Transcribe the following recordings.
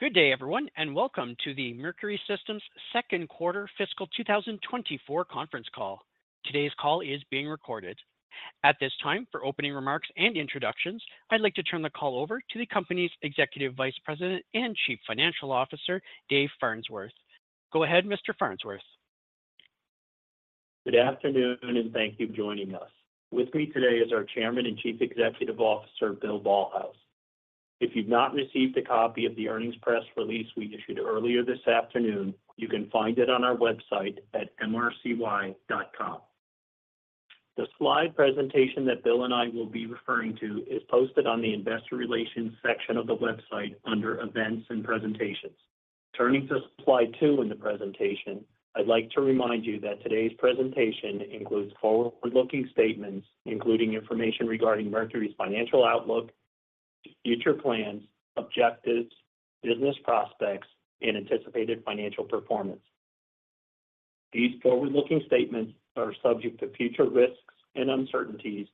Good day, everyone, and welcome to the Mercury Systems Second Quarter Fiscal 2024 Conference Call. Today's call is being recorded. At this time, for opening remarks and introductions, I'd like to turn the call over to the company's Executive Vice President and Chief Financial Officer, Dave Farnsworth. Go ahead, Mr. Farnsworth. Good afternoon, and thank you for joining us. With me today is our Chairman and Chief Executive Officer, Bill Ballhaus. If you've not received a copy of the earnings press release we issued earlier this afternoon, you can find it on our website at mrcy.com. The slide presentation that Bill and I will be referring to is posted on the Investor Relations section of the website under Events and Presentations. Turning to slide 2 in the presentation, I'd like to remind you that today's presentation includes forward-looking statements, including information regarding Mercury's financial outlook, future plans, objectives, business prospects, and anticipated financial performance. These forward-looking statements are subject to future risks and uncertainties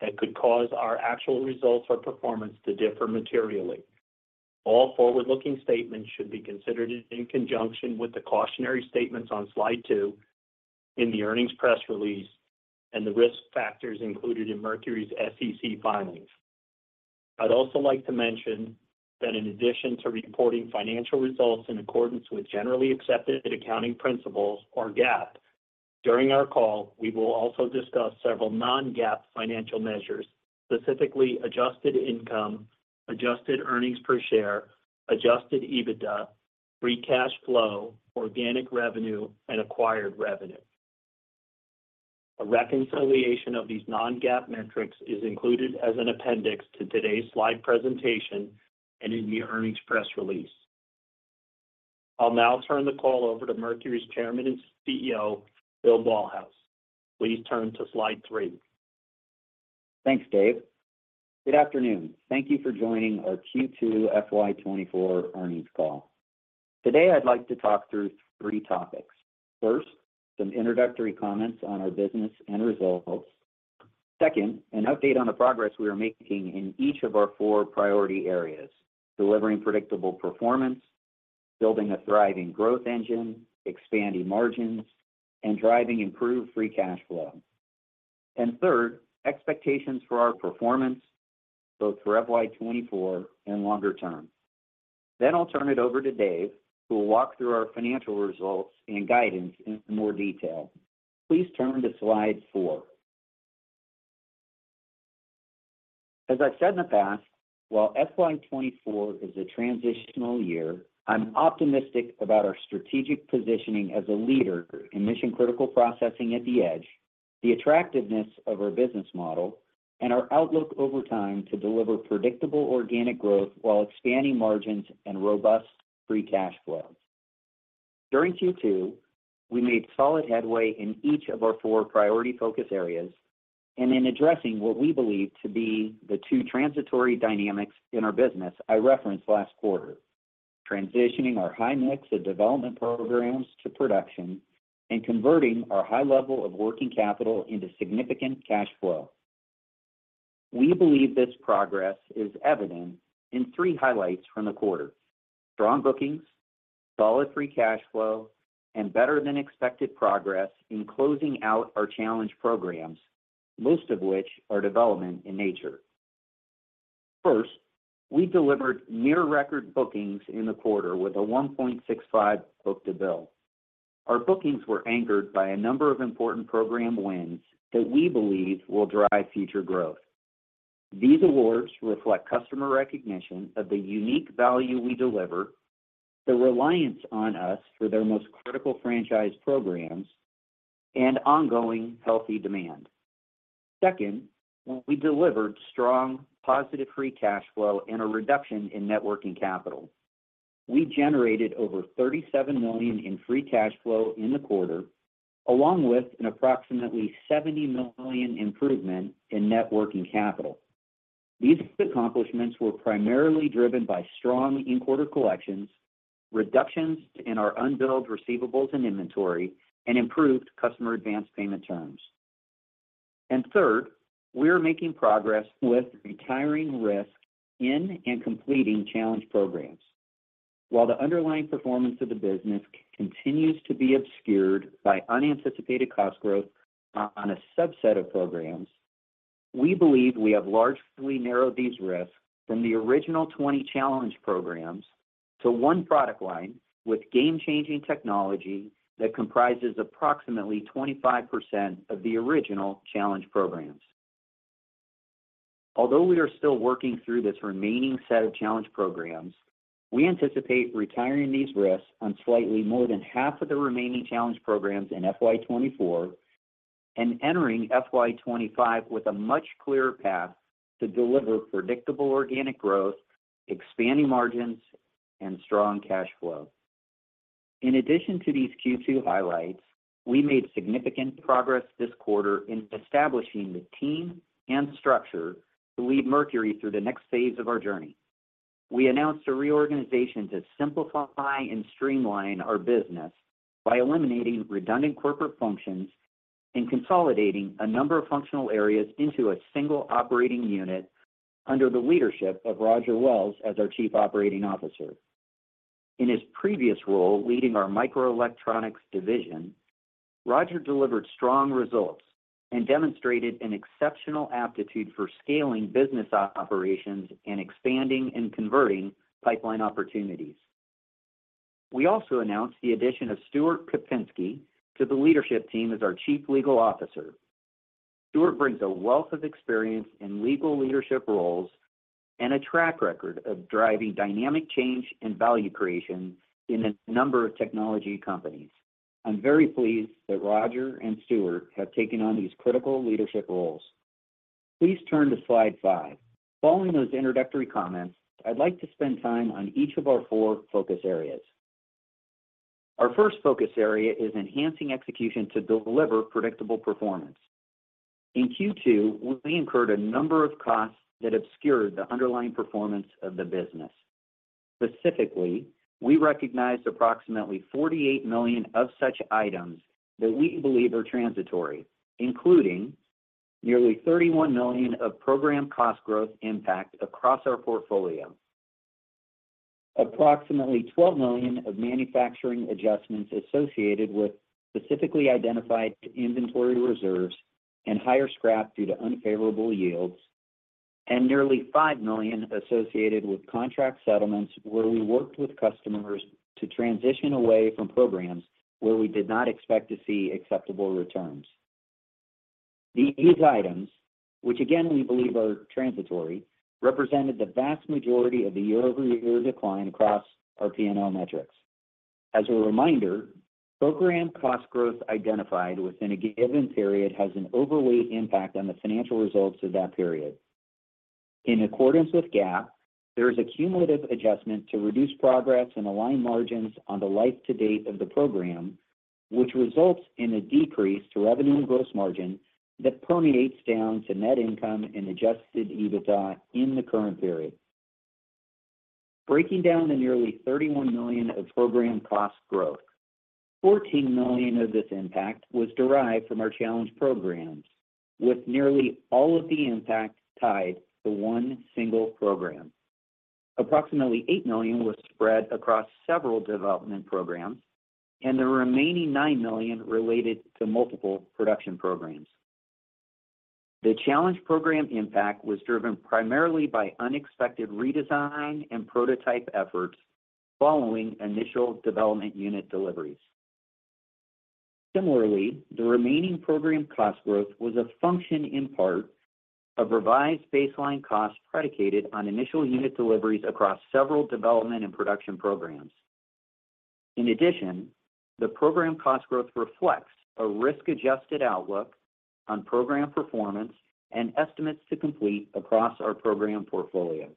that could cause our actual results or performance to differ materially. All forward-looking statements should be considered in conjunction with the cautionary statements on slide 2 in the earnings press release and the risk factors included in Mercury's SEC filings. I'd also like to mention that in addition to reporting financial results in accordance with Generally Accepted Accounting Principles, or GAAP, during our call, we will also discuss several non-GAAP financial measures, specifically adjusted income, adjusted earnings per share, adjusted EBITDA, free cash flow, organic revenue, and acquired revenue. A reconciliation of these non-GAAP metrics is included as an appendix to today's slide presentation and in the earnings press release. I'll now turn the call over to Mercury's Chairman and CEO, Bill Ballhaus. Please turn to slide 3. Thanks, Dave. Good afternoon. Thank you for joining our Q2 FY 2024 earnings call. Today, I'd like to talk through three topics. First, some introductory comments on our business and results. Second, an update on the progress we are making in each of our four priority areas: delivering predictable performance, building a thriving growth engine, expanding margins, and driving improved free cash flow. And third, expectations for our performance, both for FY 2024 and longer term. Then I'll turn it over to Dave, who will walk through our financial results and guidance in more detail. Please turn to slide 4. As I've said in the past, while FY 2024 is a transitional year, I'm optimistic about our strategic positioning as a leader in mission-critical processing at the edge, the attractiveness of our business model, and our outlook over time to deliver predictable organic growth while expanding margins and robust free cash flow. During Q2, we made solid headway in each of our four priority focus areas and in addressing what we believe to be the two transitory dynamics in our business I referenced last quarter: transitioning our high mix of development programs to production and converting our high level of working capital into significant cash flow. We believe this progress is evident in three highlights from the quarter: strong bookings, solid free cash flow, and better-than-expected progress in closing out our challenge programs, most of which are development in nature. First, we delivered near-record bookings in the quarter with a 1.65 book-to-bill. Our bookings were anchored by a number of important program wins that we believe will drive future growth. These awards reflect customer recognition of the unique value we deliver, the reliance on us for their most critical franchise programs, and ongoing healthy demand. Second, we delivered strong, positive free cash flow and a reduction in net working capital. We generated over $37 million in free cash flow in the quarter, along with an approximately $70 million improvement in net working capital. These accomplishments were primarily driven by strong in-quarter collections, reductions in our unbilled receivables and inventory, and improved customer advanced payment terms. And third, we are making progress with retiring risk in and completing challenge programs. While the underlying performance of the business continues to be obscured by unanticipated cost growth on a subset of programs, we believe we have largely narrowed these risks from the original 20 challenge programs to one product line with game-changing technology that comprises approximately 25% of the original challenge programs. Although we are still working through this remaining set of challenge programs, we anticipate retiring these risks on slightly more than half of the remaining challenge programs in FY 2024 and entering FY 2025 with a much clearer path to deliver predictable organic growth, expanding margins, and strong cash flow. In addition to these Q2 highlights, we made significant progress this quarter in establishing the team and structure to lead Mercury through the next phase of our journey. We announced a reorganization to simplify and streamline our business by eliminating redundant corporate functions. Consolidating a number of functional areas into a single operating unit under the leadership of Roger Wells as our Chief Operating Officer. In his previous role leading our microelectronics division, Roger delivered strong results and demonstrated an exceptional aptitude for scaling business operations and expanding and converting pipeline opportunities. We also announced the addition of Stuart Kupinsky to the leadership team as our Chief Legal Officer. Stuart brings a wealth of experience in legal leadership roles and a track record of driving dynamic change and value creation in a number of technology companies. I'm very pleased that Roger and Stuart have taken on these critical leadership roles. Please turn to slide 5. Following those introductory comments, I'd like to spend time on each of our four focus areas. Our first focus area is enhancing execution to deliver predictable performance. In Q2, we incurred a number of costs that obscured the underlying performance of the business. Specifically, we recognized approximately $48 million of such items that we believe are transitory, including nearly $31 million of program cost growth impact across our portfolio, approximately $12 million of manufacturing adjustments associated with specifically identified inventory reserves and higher scrap due to unfavorable yields, and nearly $5 million associated with contract settlements, where we worked with customers to transition away from programs where we did not expect to see acceptable returns. These items, which again, we believe are transitory, represented the vast majority of the year-over-year decline across our P&L metrics. As a reminder, program cost growth identified within a given period has an overweight impact on the financial results of that period. In accordance with GAAP, there is a cumulative adjustment to reduce progress and align margins on the life to date of the program, which results in a decrease to revenue and gross margin that permeates down to net income and Adjusted EBITDA in the current period. Breaking down the nearly $31 million of program cost growth, $14 million of this impact was derived from our challenged programs, with nearly all of the impact tied to one single program. Approximately $8 million was spread across several development programs, and the remaining $9 million related to multiple production programs. The challenged program impact was driven primarily by unexpected redesign and prototype efforts following initial development unit deliveries. Similarly, the remaining program cost growth was a function in part of revised baseline costs predicated on initial unit deliveries across several development and production programs. In addition, the program cost growth reflects a risk-adjusted outlook on program performance and estimates to complete across our program portfolio.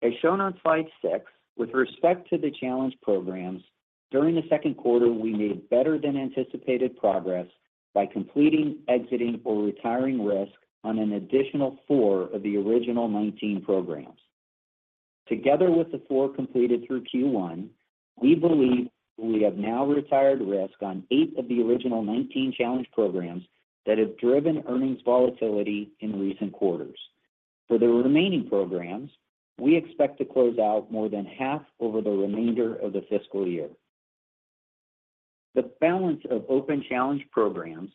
As shown on slide 6, with respect to the challenged programs, during the second quarter, we made better-than-anticipated progress by completing, exiting, or retiring risk on an additional 4 of the original 19 programs. Together with the 4 completed through Q1, we believe we have now retired risk on 8 of the original 19 challenged programs that have driven earnings volatility in recent quarters. For the remaining programs, we expect to close out more than half over the remainder of the fiscal year. The balance of open challenged programs,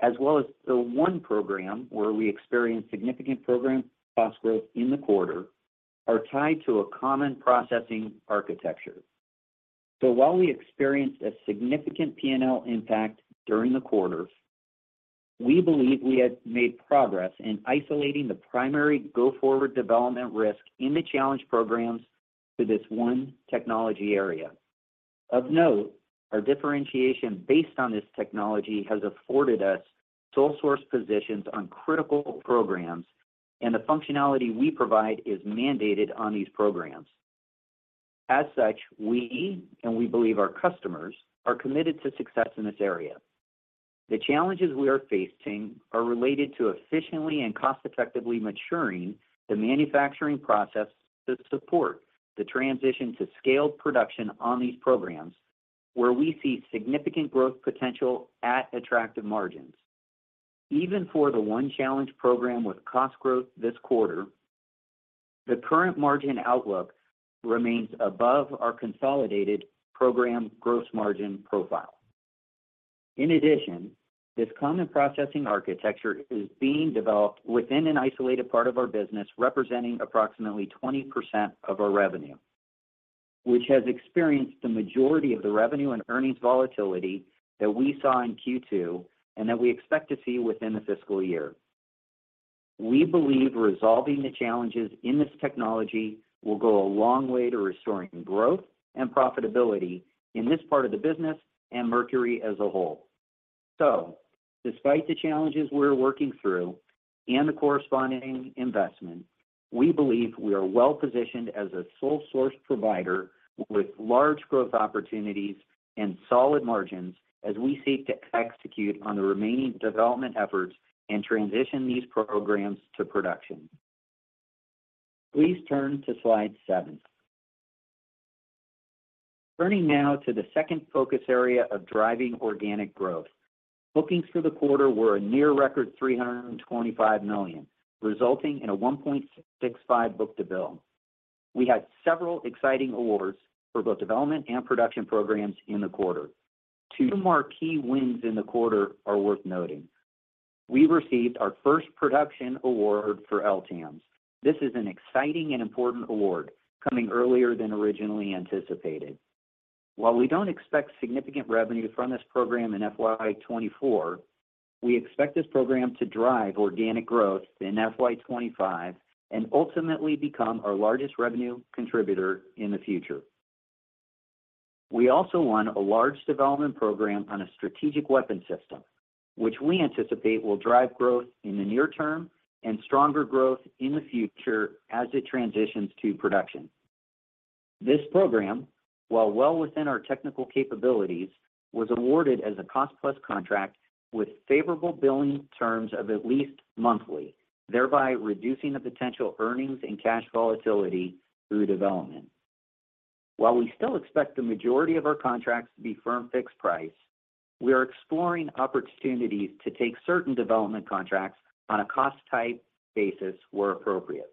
as well as the one program where we experienced significant program cost growth in the quarter, are tied to a common processing architecture. So while we experienced a significant P&L impact during the quarter, we believe we have made progress in isolating the primary go-forward development risk in the challenged programs to this one technology area. Of note, our differentiation based on this technology has afforded us sole source positions on critical programs, and the functionality we provide is mandated on these programs. As such, we, and we believe our customers, are committed to success in this area. The challenges we are facing are related to efficiently and cost-effectively maturing the manufacturing process to support the transition to scaled production on these programs, where we see significant growth potential at attractive margins. Even for the one challenged program with cost growth this quarter, the current margin outlook remains above our consolidated program gross margin profile. In addition, this Common Processing Architecture is being developed within an isolated part of our business, representing approximately 20% of our revenue, which has experienced the majority of the revenue and earnings volatility that we saw in Q2 and that we expect to see within the fiscal year. We believe resolving the challenges in this technology will go a long way to restoring growth and profitability in this part of the business and Mercury as a whole. So despite the challenges we're working through and the corresponding investment, we believe we are well-positioned as a sole source provider with large growth opportunities and solid margins as we seek to execute on the remaining development efforts and transition these programs to production. Please turn to slide 7. Turning now to the second focus area of driving organic growth. Bookings for the quarter were a near record $325 million, resulting in a 1.65 book-to-bill. We had several exciting awards for both development and production programs in the quarter. Two more key wins in the quarter are worth noting. We received our first production award for LTAMDS. This is an exciting and important award, coming earlier than originally anticipated. While we don't expect significant revenue from this program in FY 2024, we expect this program to drive organic growth in FY 2025 and ultimately become our largest revenue contributor in the future. We also won a large development program on a strategic weapon system, which we anticipate will drive growth in the near term and stronger growth in the future as it transitions to production. This program, while well within our technical capabilities, was awarded as a cost-plus contract with favorable billing terms of at least monthly, thereby reducing the potential earnings and cash volatility through development. While we still expect the majority of our contracts to be firm fixed price, we are exploring opportunities to take certain development contracts on a cost-type basis where appropriate.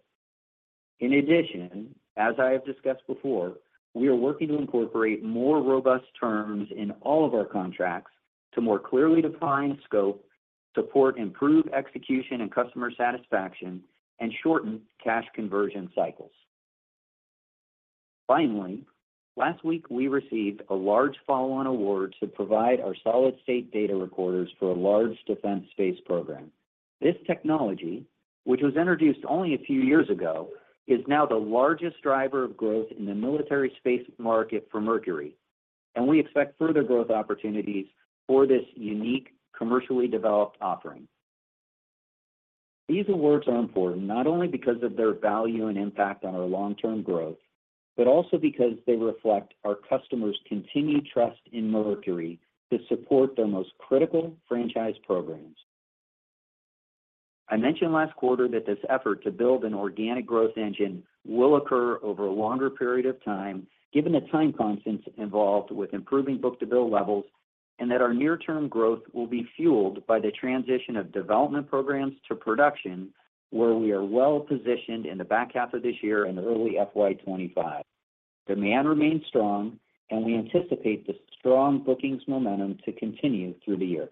In addition, as I have discussed before, we are working to incorporate more robust terms in all of our contracts to more clearly define scope, support improved execution and customer satisfaction, and shorten cash conversion cycles. Finally, last week, we received a large follow-on award to provide our solid-state data recorders for a large defense space program. This technology, which was introduced only a few years ago, is now the largest driver of growth in the military space market for Mercury, and we expect further growth opportunities for this unique, commercially developed offering. These awards are important not only because of their value and impact on our long-term growth, but also because they reflect our customers' continued trust in Mercury to support their most critical franchise programs. I mentioned last quarter that this effort to build an organic growth engine will occur over a longer period of time, given the time constants involved with improving book-to-bill levels, and that our near-term growth will be fueled by the transition of development programs to production, where we are well-positioned in the back half of this year and early FY 2025. Demand remains strong, and we anticipate the strong bookings momentum to continue through the year.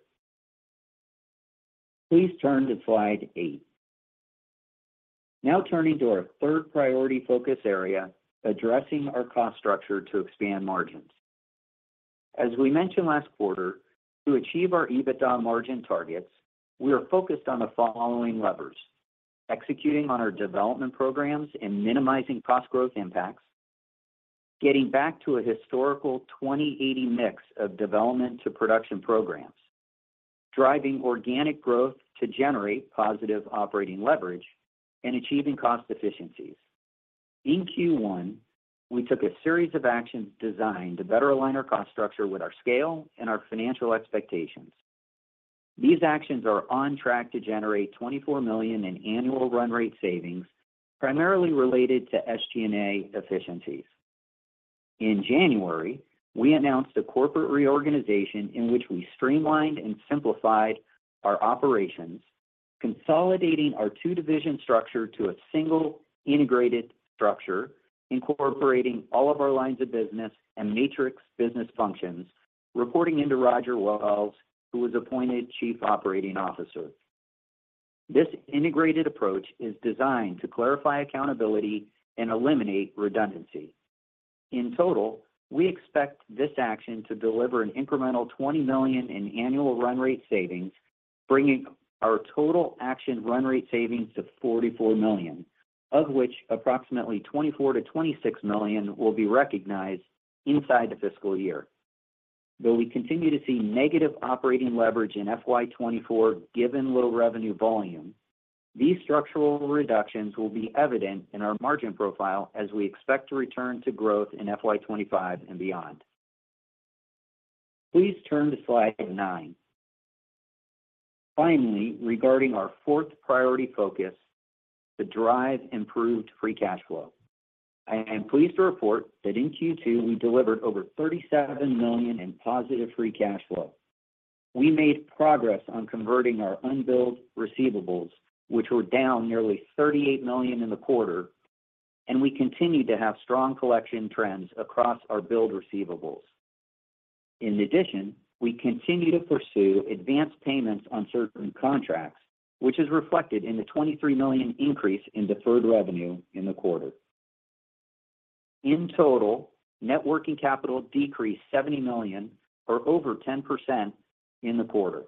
Please turn to slide 8. Now turning to our third priority focus area, addressing our cost structure to expand margins. As we mentioned last quarter, to achieve our EBITDA margin targets, we are focused on the following levers: executing on our development programs and minimizing cost growth impacts, getting back to a historical 20-80 mix of development to production programs, driving organic growth to generate positive operating leverage, and achieving cost efficiencies. In Q1, we took a series of actions designed to better align our cost structure with our scale and our financial expectations. These actions are on track to generate $24 million in annual run rate savings, primarily related to SG&A efficiencies. In January, we announced a corporate reorganization in which we streamlined and simplified our operations, consolidating our two-division structure to a single integrated structure, incorporating all of our lines of business and matrix business functions, reporting into Roger Wells, who was appointed Chief Operating Officer. This integrated approach is designed to clarify accountability and eliminate redundancy. In total, we expect this action to deliver an incremental $20 million in annual run rate savings, bringing our total action run rate savings to $44 million, of which approximately $24 million-$26 million will be recognized inside the fiscal year. Though we continue to see negative operating leverage in FY 2024, given low revenue volume, these structural reductions will be evident in our margin profile as we expect to return to growth in FY 2025 and beyond. Please turn to slide 9. Finally, regarding our fourth priority focus, to drive improved free cash flow, I am pleased to report that in Q2, we delivered over $37 million in positive free cash flow. We made progress on converting our unbilled receivables, which were down nearly $38 million in the quarter, and we continue to have strong collection trends across our billed receivables. In addition, we continue to pursue advanced payments on certain contracts, which is reflected in the $23 million increase in deferred revenue in the quarter. In total, net working capital decreased $70 million, or over 10%, in the quarter.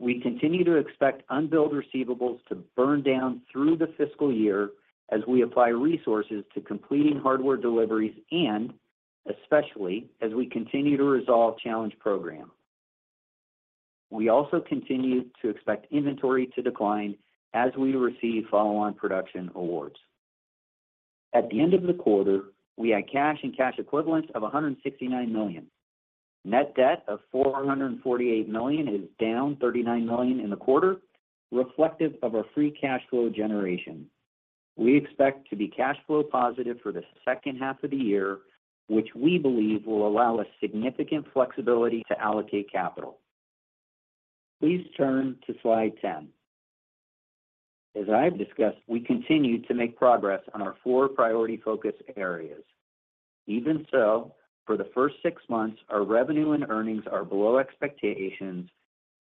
We continue to expect unbilled receivables to burn down through the fiscal year as we apply resources to completing hardware deliveries and especially as we continue to resolve challenged programs. We also continue to expect inventory to decline as we receive follow-on production awards. At the end of the quarter, we had cash and cash equivalents of $169 million. Net debt of $448 million is down $39 million in the quarter, reflective of our free cash flow generation. We expect to be cash flow positive for the second half of the year, which we believe will allow us significant flexibility to allocate capital. Please turn to slide 10. As I've discussed, we continue to make progress on our four priority focus areas. Even so, for the first six months, our revenue and earnings are below expectations,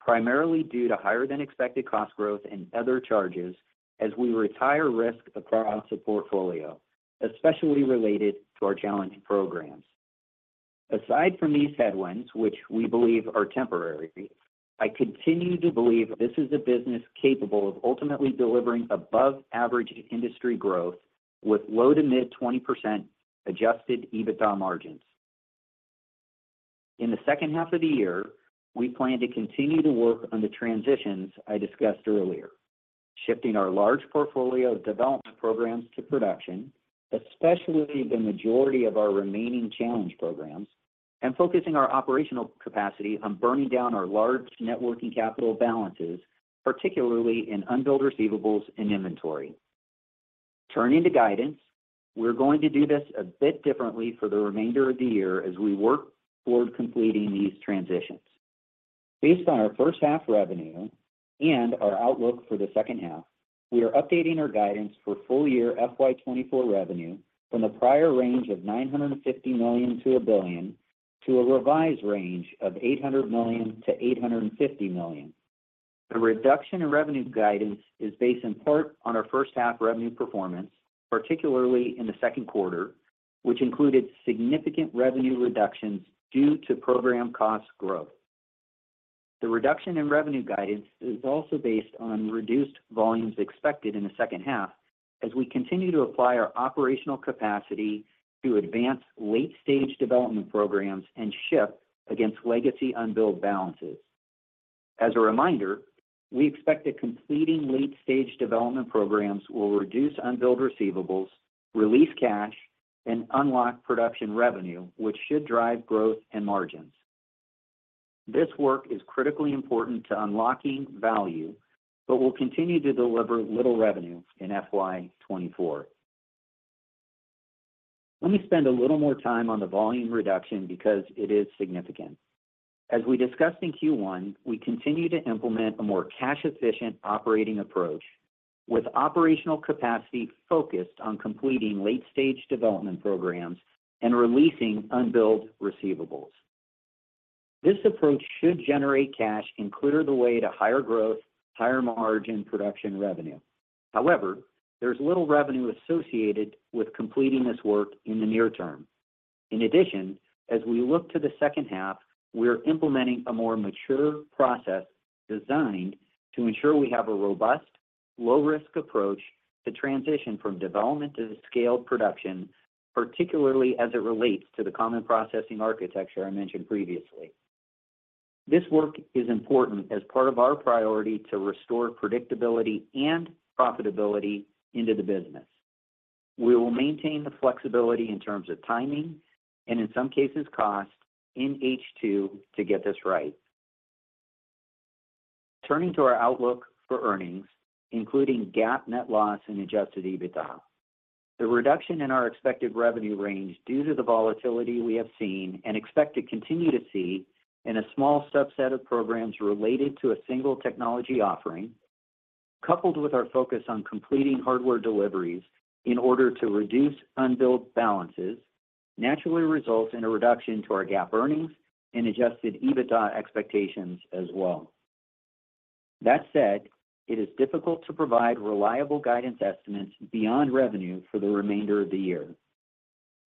primarily due to higher than expected cost growth and other charges as we retire risk across the portfolio, especially related to our challenge programs. Aside from these headwinds, which we believe are temporary, I continue to believe this is a business capable of ultimately delivering above-average industry growth with low- to mid-20% Adjusted EBITDA margins. In the second half of the year, we plan to continue to work on the transitions I discussed earlier: shifting our large portfolio of development programs to production, especially the majority of our remaining challenged programs, and focusing our operational capacity on burning down our large net working capital balances, particularly in unbilled receivables and inventory. Turning to guidance, we're going to do this a bit differently for the remainder of the year as we work toward completing these transitions. Based on our first half revenue and our outlook for the second half, we are updating our guidance for full year FY 2024 revenue from the prior range of $950 million-$1 billion, to a revised range of $800 million-$850 million. The reduction in revenue guidance is based in part on our first half revenue performance, particularly in the second quarter, which included significant revenue reductions due to program cost growth. The reduction in revenue guidance is also based on reduced volumes expected in the second half, as we continue to apply our operational capacity to advance late-stage development programs and shift against legacy unbilled balances. As a reminder, we expect that completing late-stage development programs will reduce unbilled receivables, release cash, and unlock production revenue, which should drive growth and margins. This work is critically important to unlocking value, but will continue to deliver little revenue in FY 2024. Let me spend a little more time on the volume reduction because it is significant. As we discussed in Q1, we continue to implement a more cash-efficient operating approach, with operational capacity focused on completing late-stage development programs and releasing unbilled receivables. This approach should generate cash and clear the way to higher growth, higher margin production revenue. However, there's little revenue associated with completing this work in the near term. In addition, as we look to the second half, we are implementing a more mature process designed to ensure we have a robust, low-risk approach to transition from development to scaled production, particularly as it relates to the Common Processing Architecture I mentioned previously. This work is important as part of our priority to restore predictability and profitability into the business. We will maintain the flexibility in terms of timing, and in some cases, cost in H2 to get this right. Turning to our outlook for earnings, including GAAP net loss and Adjusted EBITDA. The reduction in our expected revenue range due to the volatility we have seen and expect to continue to see in a small subset of programs related to a single technology offering, coupled with our focus on completing hardware deliveries in order to reduce unbilled balances, naturally results in a reduction to our GAAP earnings and Adjusted EBITDA expectations as well. That said, it is difficult to provide reliable guidance estimates beyond revenue for the remainder of the year.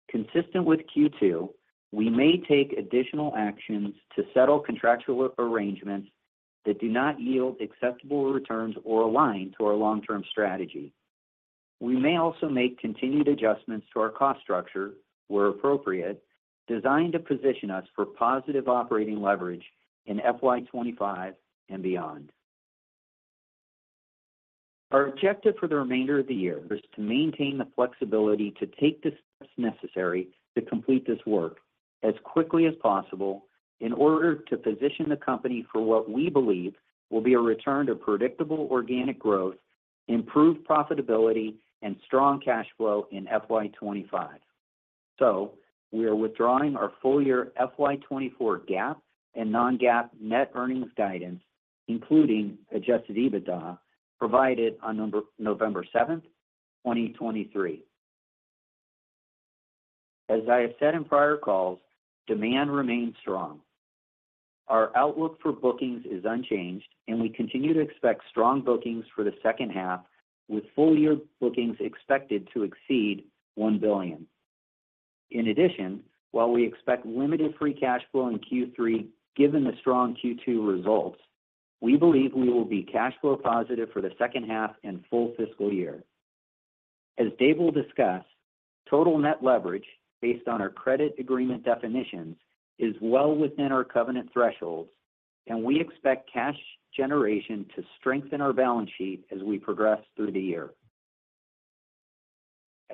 Consistent with Q2, we may take additional actions to settle contractual arrangements that do not yield acceptable returns or align to our long-term strategy. We may also make continued adjustments to our cost structure, where appropriate, designed to position us for positive operating leverage in FY 2025 and beyond. Our objective for the remainder of the year is to maintain the flexibility to take the steps necessary to complete this work as quickly as possible in order to position the company for what we believe will be a return to predictable organic growth, improved profitability, and strong cash flow in FY 2025. So we are withdrawing our full year FY 2024 GAAP and non-GAAP net earnings guidance, including Adjusted EBITDA, provided on November 7, 2023. As I have said in prior calls, demand remains strong. Our outlook for bookings is unchanged, and we continue to expect strong bookings for the second half, with full-year bookings expected to exceed $1 billion. In addition, while we expect limited free cash flow in Q3, given the strong Q2 results, we believe we will be cash flow positive for the second half and full fiscal year. As Dave will discuss, total net leverage based on our credit agreement definitions, is well within our covenant thresholds, and we expect cash generation to strengthen our balance sheet as we progress through the year.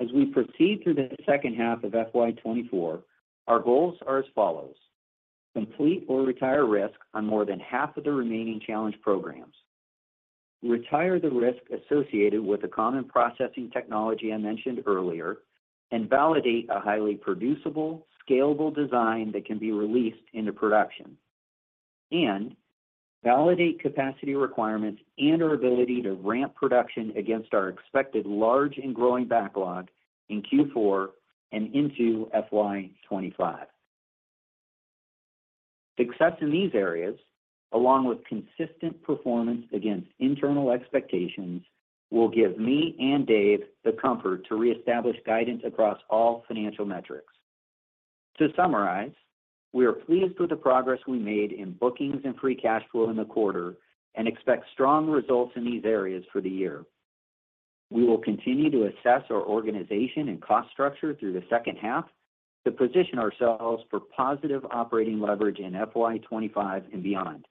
As we proceed through the second half of FY 2024, our goals are as follows: Complete or retire risk on more than half of the remaining challenged programs. Retire the risk associated with the common processing technology I mentioned earlier, and validate a highly producible, scalable design that can be released into production. And validate capacity requirements and our ability to ramp production against our expected large and growing backlog in Q4 and into FY 2025. Success in these areas, along with consistent performance against internal expectations, will give me and Dave the comfort to reestablish guidance across all financial metrics. To summarize, we are pleased with the progress we made in bookings and free cash flow in the quarter, and expect strong results in these areas for the year. We will continue to assess our organization and cost structure through the second half, to position ourselves for positive operating leverage in FY 2025 and beyond.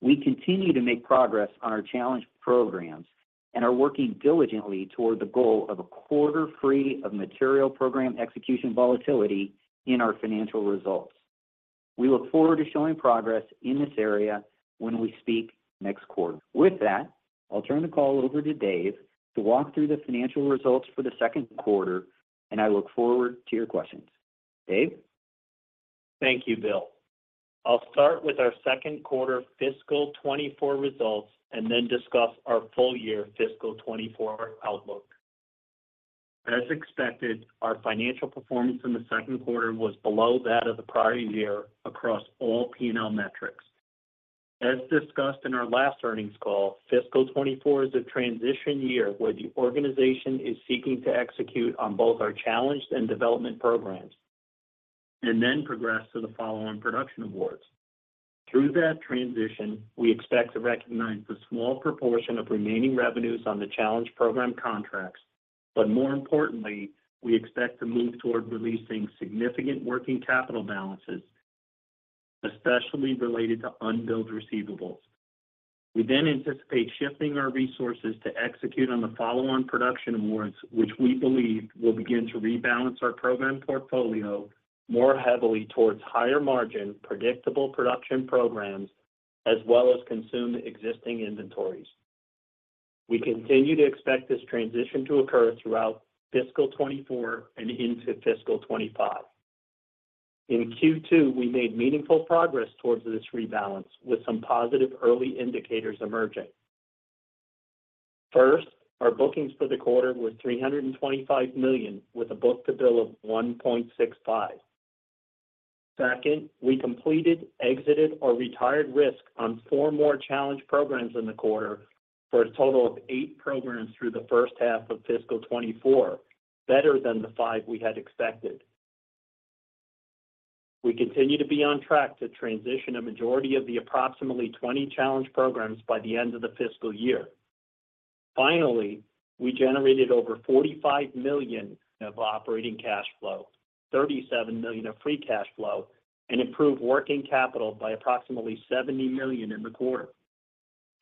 We continue to make progress on our challenged programs and are working diligently toward the goal of a quarter free of material program execution volatility in our financial results. We look forward to showing progress in this area when we speak next quarter. With that, I'll turn the call over to Dave to walk through the financial results for the second quarter, and I look forward to your questions. Dave? Thank you, Bill. I'll start with our second quarter fiscal 2024 results and then discuss our full year fiscal 2024 outlook. As expected, our financial performance in the second quarter was below that of the prior year across all P&L metrics. As discussed in our last earnings call, fiscal 2024 is a transition year where the organization is seeking to execute on both our challenged and development programs, and then progress to the follow-on production awards. Through that transition, we expect to recognize a small proportion of remaining revenues on the challenged program contracts, but more importantly, we expect to move toward releasing significant working capital balances, especially related to unbilled receivables. We then anticipate shifting our resources to execute on the follow-on production awards, which we believe will begin to rebalance our program portfolio more heavily towards higher margin, predictable production programs, as well as consume existing inventories. We continue to expect this transition to occur throughout fiscal 2024 and into fiscal 2025. In Q2, we made meaningful progress towards this rebalance, with some positive early indicators emerging. First, our bookings for the quarter were $325 million, with a book-to-bill of 1.65. Second, we completed, exited, or retired risk on 4 more challenged programs in the quarter, for a total of 8 programs through the first half of fiscal 2024, better than the 5 we had expected. We continue to be on track to transition a majority of the approximately 20 challenged programs by the end of the fiscal year. Finally, we generated over $45 million of operating cash flow, $37 million of free cash flow, and improved working capital by approximately $70 million in the quarter.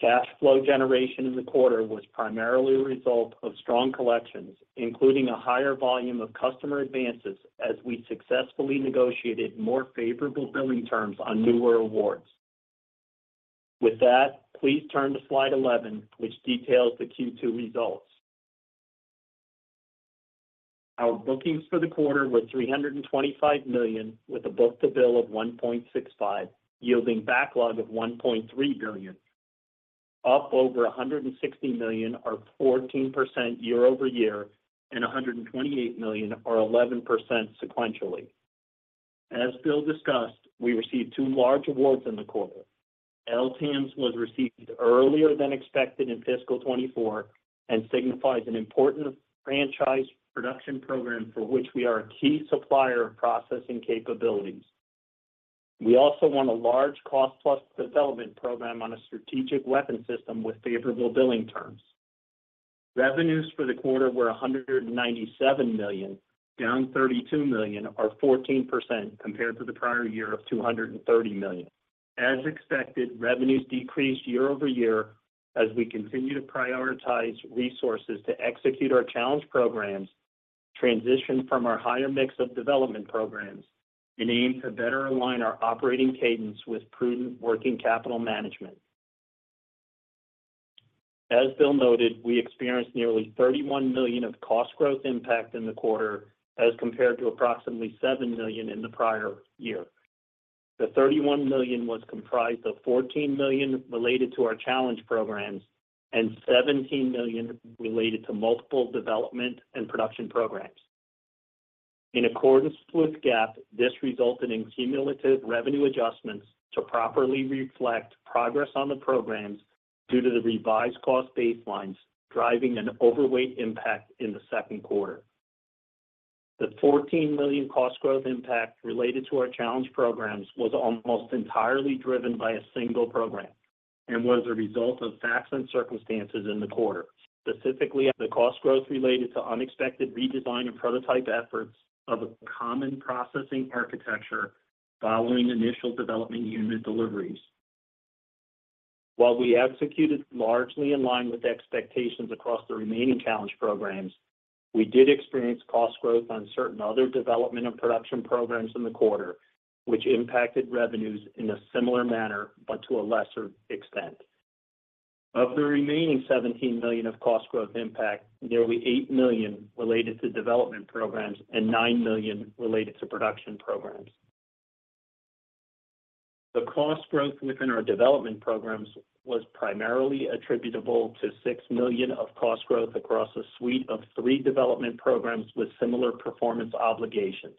Cash flow generation in the quarter was primarily a result of strong collections, including a higher volume of customer advances, as we successfully negotiated more favorable billing terms on newer awards. With that, please turn to slide 11, which details the Q2 results. Our bookings for the quarter were $325 million, with a book-to-bill of 1.65, yielding backlog of $1.3 billion, up over $160 million, or 14% year-over-year, and $128 million, or 11% sequentially. As Bill discussed, we received two large awards in the quarter. LTAMDS was received earlier than expected in fiscal 2024 and signifies an important franchise production program for which we are a key supplier of processing capabilities. We also won a large cost-plus development program on a strategic weapon system with favorable billing terms. Revenues for the quarter were $197 million, down $32 million, or 14% compared to the prior year of $230 million. As expected, revenues decreased year-over-year as we continue to prioritize resources to execute our challenged programs, transition from our higher mix of development programs, and aim to better align our operating cadence with prudent working capital management. As Bill noted, we experienced nearly $31 million of cost growth impact in the quarter, as compared to approximately $7 million in the prior year. The $31 million was comprised of $14 million related to our challenged programs and $17 million related to multiple development and production programs. In accordance with GAAP, this resulted in cumulative revenue adjustments to properly reflect progress on the programs due to the revised cost baselines, driving an overweight impact in the second quarter. The $14 million cost growth impact related to our challenged programs was almost entirely driven by a single program, and was a result of facts and circumstances in the quarter. Specifically, the cost growth related to unexpected redesign and prototype efforts of a common processing architecture following initial development unit deliveries. While we executed largely in line with expectations across the remaining challenge programs, we did experience cost growth on certain other development and production programs in the quarter, which impacted revenues in a similar manner, but to a lesser extent. Of the remaining $17 million of cost growth impact, nearly $8 million related to development programs and $9 million related to production programs. The cost growth within our development programs was primarily attributable to $6 million of cost growth across a suite of 3 development programs with similar performance obligations.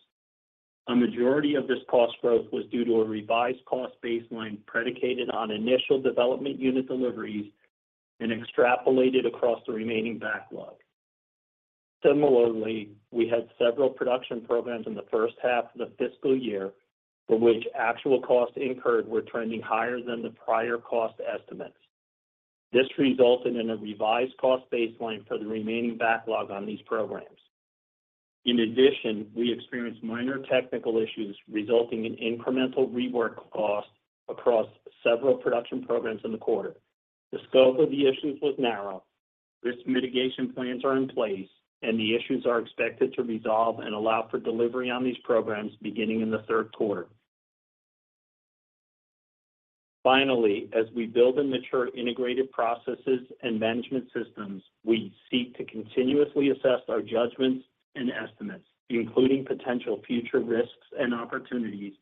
A majority of this cost growth was due to a revised cost baseline predicated on initial development unit deliveries and extrapolated across the remaining backlog. Similarly, we had several production programs in the first half of the fiscal year, for which actual costs incurred were trending higher than the prior cost estimates. This resulted in a revised cost baseline for the remaining backlog on these programs. In addition, we experienced minor technical issues, resulting in incremental rework costs across several production programs in the quarter. The scope of the issues was narrow. Risk mitigation plans are in place, and the issues are expected to resolve and allow for delivery on these programs beginning in the third quarter. Finally, as we build and mature integrated processes and management systems, we seek to continuously assess our judgments and estimates, including potential future risks and opportunities,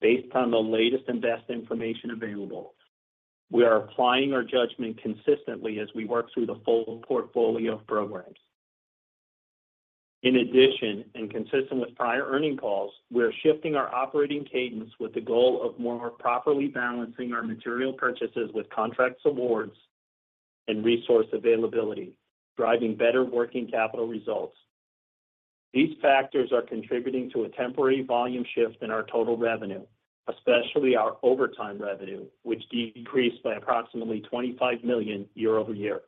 based on the latest and best information available. We are applying our judgment consistently as we work through the full portfolio of programs. In addition, and consistent with prior earnings calls, we are shifting our operating cadence with the goal of more properly balancing our material purchases with contracts, awards, and resource availability, driving better working capital results. These factors are contributing to a temporary volume shift in our total revenue, especially our overtime revenue, which decreased by approximately $25 million year-over-year.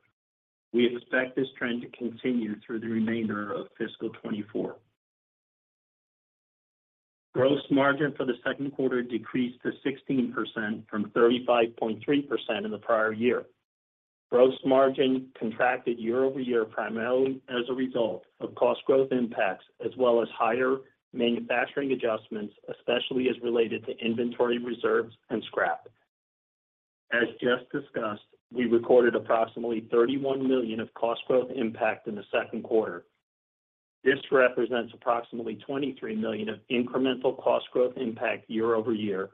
We expect this trend to continue through the remainder of fiscal 2024. Gross margin for the second quarter decreased to 16% from 35.3% in the prior year. Gross margin contracted year-over-year, primarily as a result of cost growth impacts, as well as higher manufacturing adjustments, especially as related to inventory reserves and scrap. As just discussed, we recorded approximately $31 million of cost growth impact in the second quarter. This represents approximately $23 million of incremental cost growth impact year-over-year,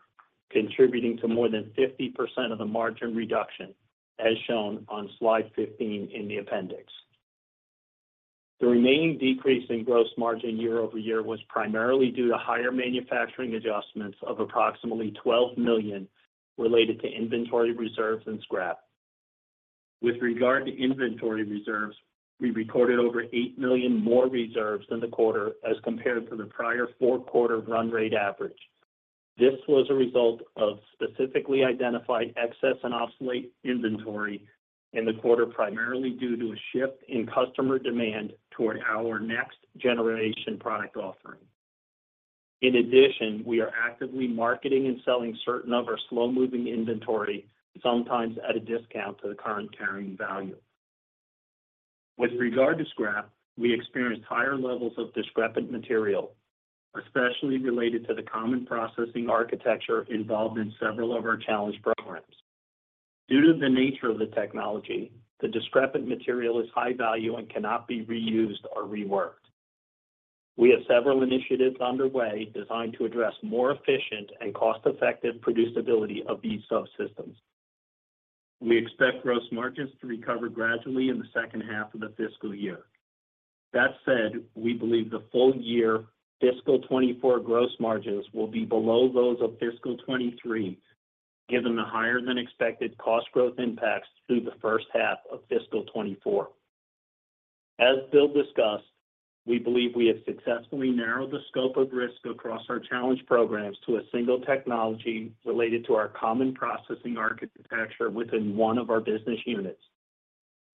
contributing to more than 50% of the margin reduction, as shown on slide 15 in the appendix. The remaining decrease in gross margin year-over-year was primarily due to higher manufacturing adjustments of approximately $12 million related to inventory reserves and scrap. With regard to inventory reserves, we recorded over $8 million more reserves in the quarter as compared to the prior 4-quarter run rate average. This was a result of specifically identified excess and obsolete inventory in the quarter, primarily due to a shift in customer demand toward our next generation product offering. In addition, we are actively marketing and selling certain of our slow-moving inventory, sometimes at a discount to the current carrying value. With regard to scrap, we experienced higher levels of discrepant material, especially related to the common processing architecture involved in several of our challenge programs. Due to the nature of the technology, the discrepant material is high value and cannot be reused or reworked. We have several initiatives underway designed to address more efficient and cost-effective producibility of these subsystems. We expect gross margins to recover gradually in the second half of the fiscal year. That said, we believe the full year fiscal 2024 gross margins will be below those of fiscal 2023, given the higher-than-expected cost growth impacts through the first half of fiscal 2024. As Bill discussed, we believe we have successfully narrowed the scope of risk across our challenge programs to a single technology related to our common processing architecture within one of our business units.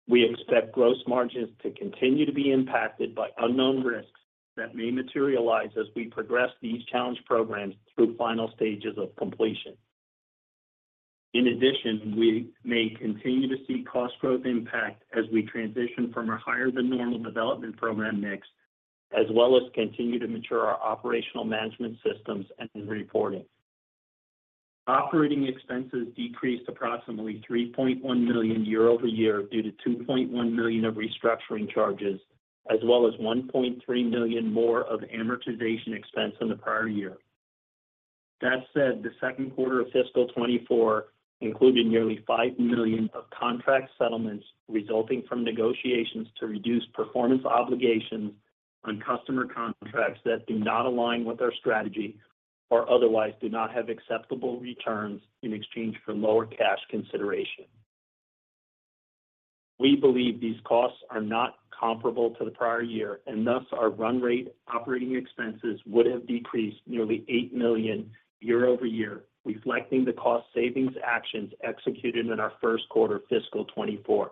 We expect gross margins to continue to be impacted by unknown risks that may materialize as we progress these challenge programs through final stages of completion. In addition, we may continue to see cost growth impact as we transition from a higher-than-normal development program mix, as well as continue to mature our operational management systems and reporting. Operating expenses decreased approximately $3.1 million year-over-year due to $2.1 million of restructuring charges, as well as $1.3 million more of amortization expense than the prior year. That said, the second quarter of fiscal 2024 included nearly $5 million of contract settlements resulting from negotiations to reduce performance obligations on customer contracts that do not align with our strategy, or otherwise do not have acceptable returns in exchange for lower cash consideration. We believe these costs are not comparable to the prior year, and thus our run rate operating expenses would have decreased nearly $8 million year-over-year, reflecting the cost savings actions executed in our first quarter fiscal 2024.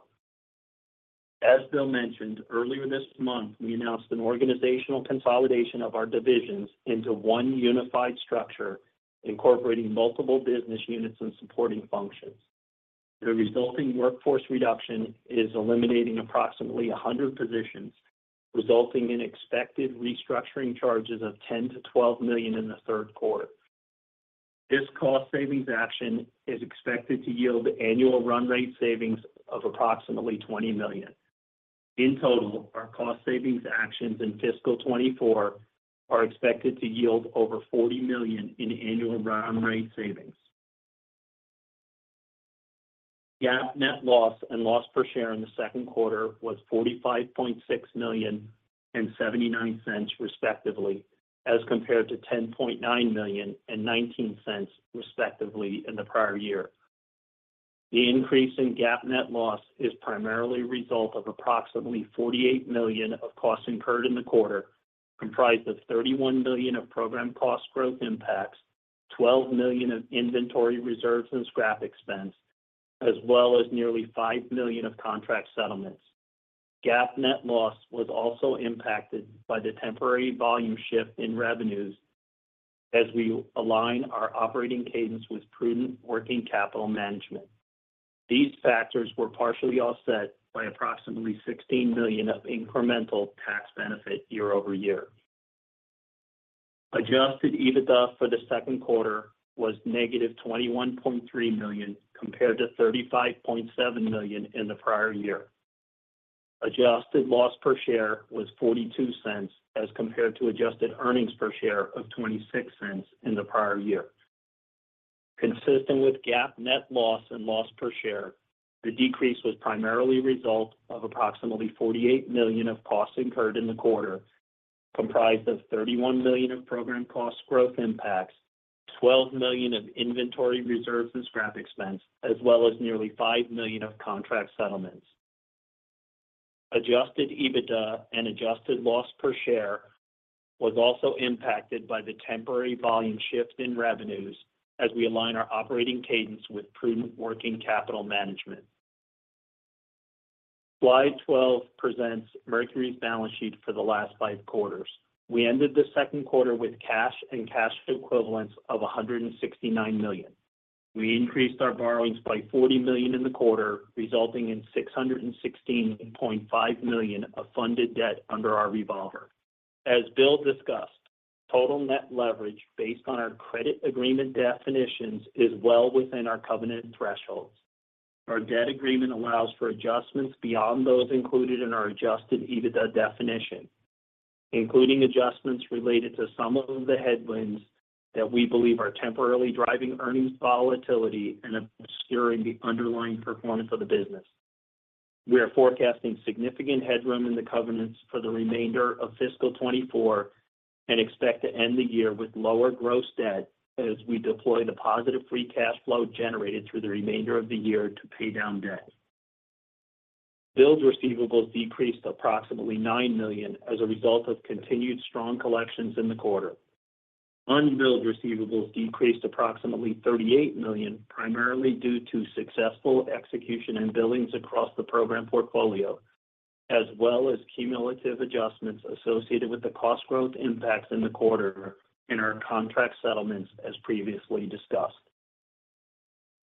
As Bill mentioned, earlier this month, we announced an organizational consolidation of our divisions into one unified structure, incorporating multiple business units and supporting functions. The resulting workforce reduction is eliminating approximately 100 positions, resulting in expected restructuring charges of $10 million-$12 million in the third quarter. This cost savings action is expected to yield annual run rate savings of approximately $20 million. In total, our cost savings actions in fiscal 2024 are expected to yield over $40 million in annual run rate savings. GAAP net loss and loss per share in the second quarter was $45.6 million and $0.79, respectively, as compared to $10.9 million and $0.19, respectively, in the prior year. The increase in GAAP net loss is primarily a result of approximately $48 million of costs incurred in the quarter, comprised of $31 million of program cost growth impacts, $12 million of inventory reserves and scrap expense, as well as nearly $5 million of contract settlements. GAAP net loss was also impacted by the temporary volume shift in revenues as we align our operating cadence with prudent working capital management. These factors were partially offset by approximately $16 million of incremental tax benefit year-over-year. Adjusted EBITDA for the second quarter was negative $21.3 million, compared to $35.7 million in the prior year. Adjusted loss per share was $0.42, as compared to adjusted earnings per share of $0.26 in the prior year. Consistent with GAAP net loss and loss per share, the decrease was primarily a result of approximately $48 million of costs incurred in the quarter, comprised of $31 million of program cost growth impacts, $12 million of inventory reserves and scrap expense, as well as nearly $5 million of contract settlements. Adjusted EBITDA and adjusted loss per share was also impacted by the temporary volume shift in revenues as we align our operating cadence with prudent working capital management. Slide 12 presents Mercury's balance sheet for the last five quarters. We ended the second quarter with cash and cash equivalents of $169 million. We increased our borrowings by $40 million in the quarter, resulting in $616.5 million of funded debt under our revolver. As Bill discussed, total net leverage based on our credit agreement definitions is well within our covenant thresholds. Our debt agreement allows for adjustments beyond those included in our adjusted EBITDA definition, including adjustments related to some of the headwinds that we believe are temporarily driving earnings volatility and obscuring the underlying performance of the business. We are forecasting significant headroom in the covenants for the remainder of fiscal 2024 and expect to end the year with lower gross debt as we deploy the positive free cash flow generated through the remainder of the year to pay down debt. Billed receivables decreased approximately $9 million as a result of continued strong collections in the quarter. Unbilled receivables decreased approximately $38 million, primarily due to successful execution and billings across the program portfolio, as well as cumulative adjustments associated with the cost growth impacts in the quarter in our contract settlements, as previously discussed.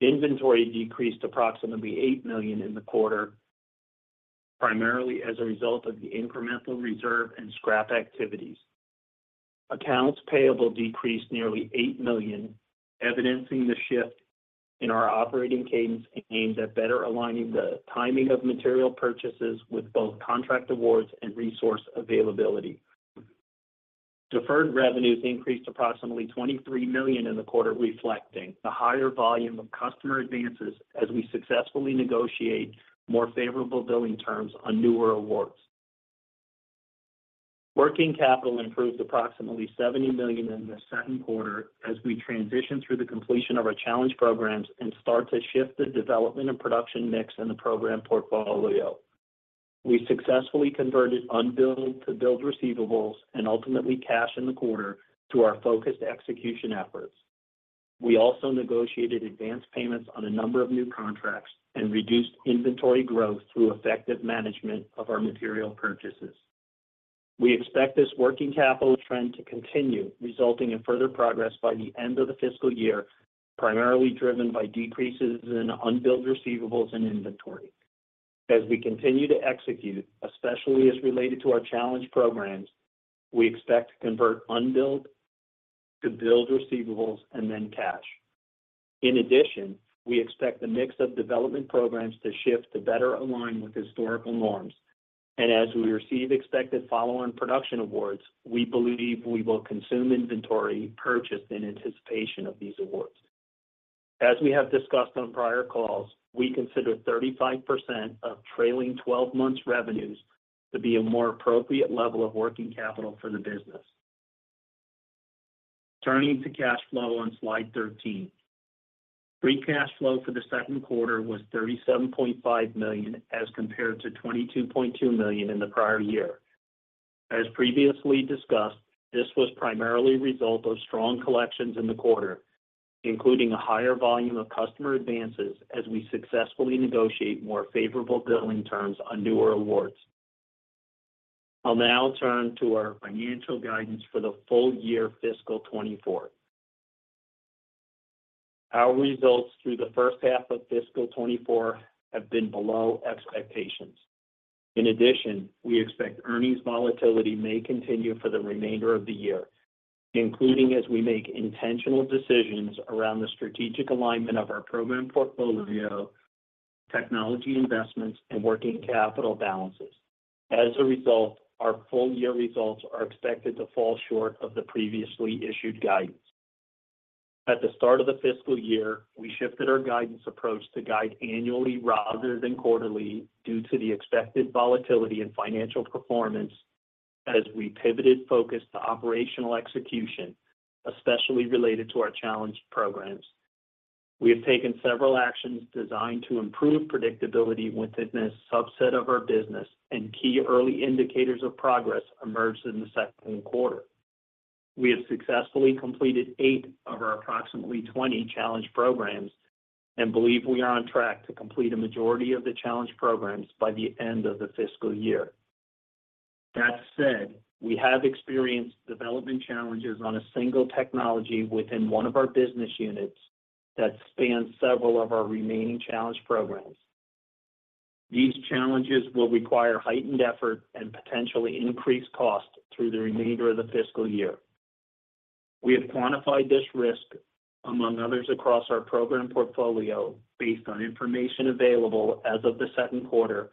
Inventory decreased approximately $8 million in the quarter, primarily as a result of the incremental reserve and scrap activities. Accounts payable decreased nearly $8 million, evidencing the shift in our operating cadence aimed at better aligning the timing of material purchases with both contract awards and resource availability. Deferred revenues increased approximately $23 million in the quarter, reflecting the higher volume of customer advances as we successfully negotiate more favorable billing terms on newer awards. Working capital improved approximately $70 million in the second quarter as we transition through the completion of our challenge programs and start to shift the development and production mix in the program portfolio. We successfully converted unbilled to billed receivables and ultimately cash in the quarter through our focused execution efforts. We also negotiated advanced payments on a number of new contracts and reduced inventory growth through effective management of our material purchases. We expect this working capital trend to continue, resulting in further progress by the end of the fiscal year, primarily driven by decreases in unbilled receivables and inventory. As we continue to execute, especially as related to our challenge programs, we expect to convert unbilled to billed receivables and then cash. In addition, we expect the mix of development programs to shift to better align with historical norms. And as we receive expected follow-on production awards, we believe we will consume inventory purchased in anticipation of these awards. As we have discussed on prior calls, we consider 35% of trailing 12 months revenues to be a more appropriate level of working capital for the business. Turning to cash flow on slide 13. Free cash flow for the second quarter was $37.5 million, as compared to $22.2 million in the prior year. As previously discussed, this was primarily a result of strong collections in the quarter, including a higher volume of customer advances, as we successfully negotiate more favorable billing terms on newer awards. I'll now turn to our financial guidance for the full year fiscal 2024. Our results through the first half of fiscal 2024 have been below expectations. In addition, we expect earnings volatility may continue for the remainder of the year, including as we make intentional decisions around the strategic alignment of our program portfolio, technology investments, and working capital balances. As a result, our full-year results are expected to fall short of the previously issued guidance. At the start of the fiscal year, we shifted our guidance approach to guide annually rather than quarterly due to the expected volatility in financial performance as we pivoted focus to operational execution, especially related to our challenged programs. We have taken several actions designed to improve predictability within a subset of our business, and key early indicators of progress emerged in the second quarter. We have successfully completed 8 of our approximately 20 challenged programs and believe we are on track to complete a majority of the challenged programs by the end of the fiscal year. That said, we have experienced development challenges on a single technology within one of our business units that spans several of our remaining challenged programs. These challenges will require heightened effort and potentially increased cost through the remainder of the fiscal year. We have quantified this risk, among others, across our program portfolio based on information available as of the second quarter,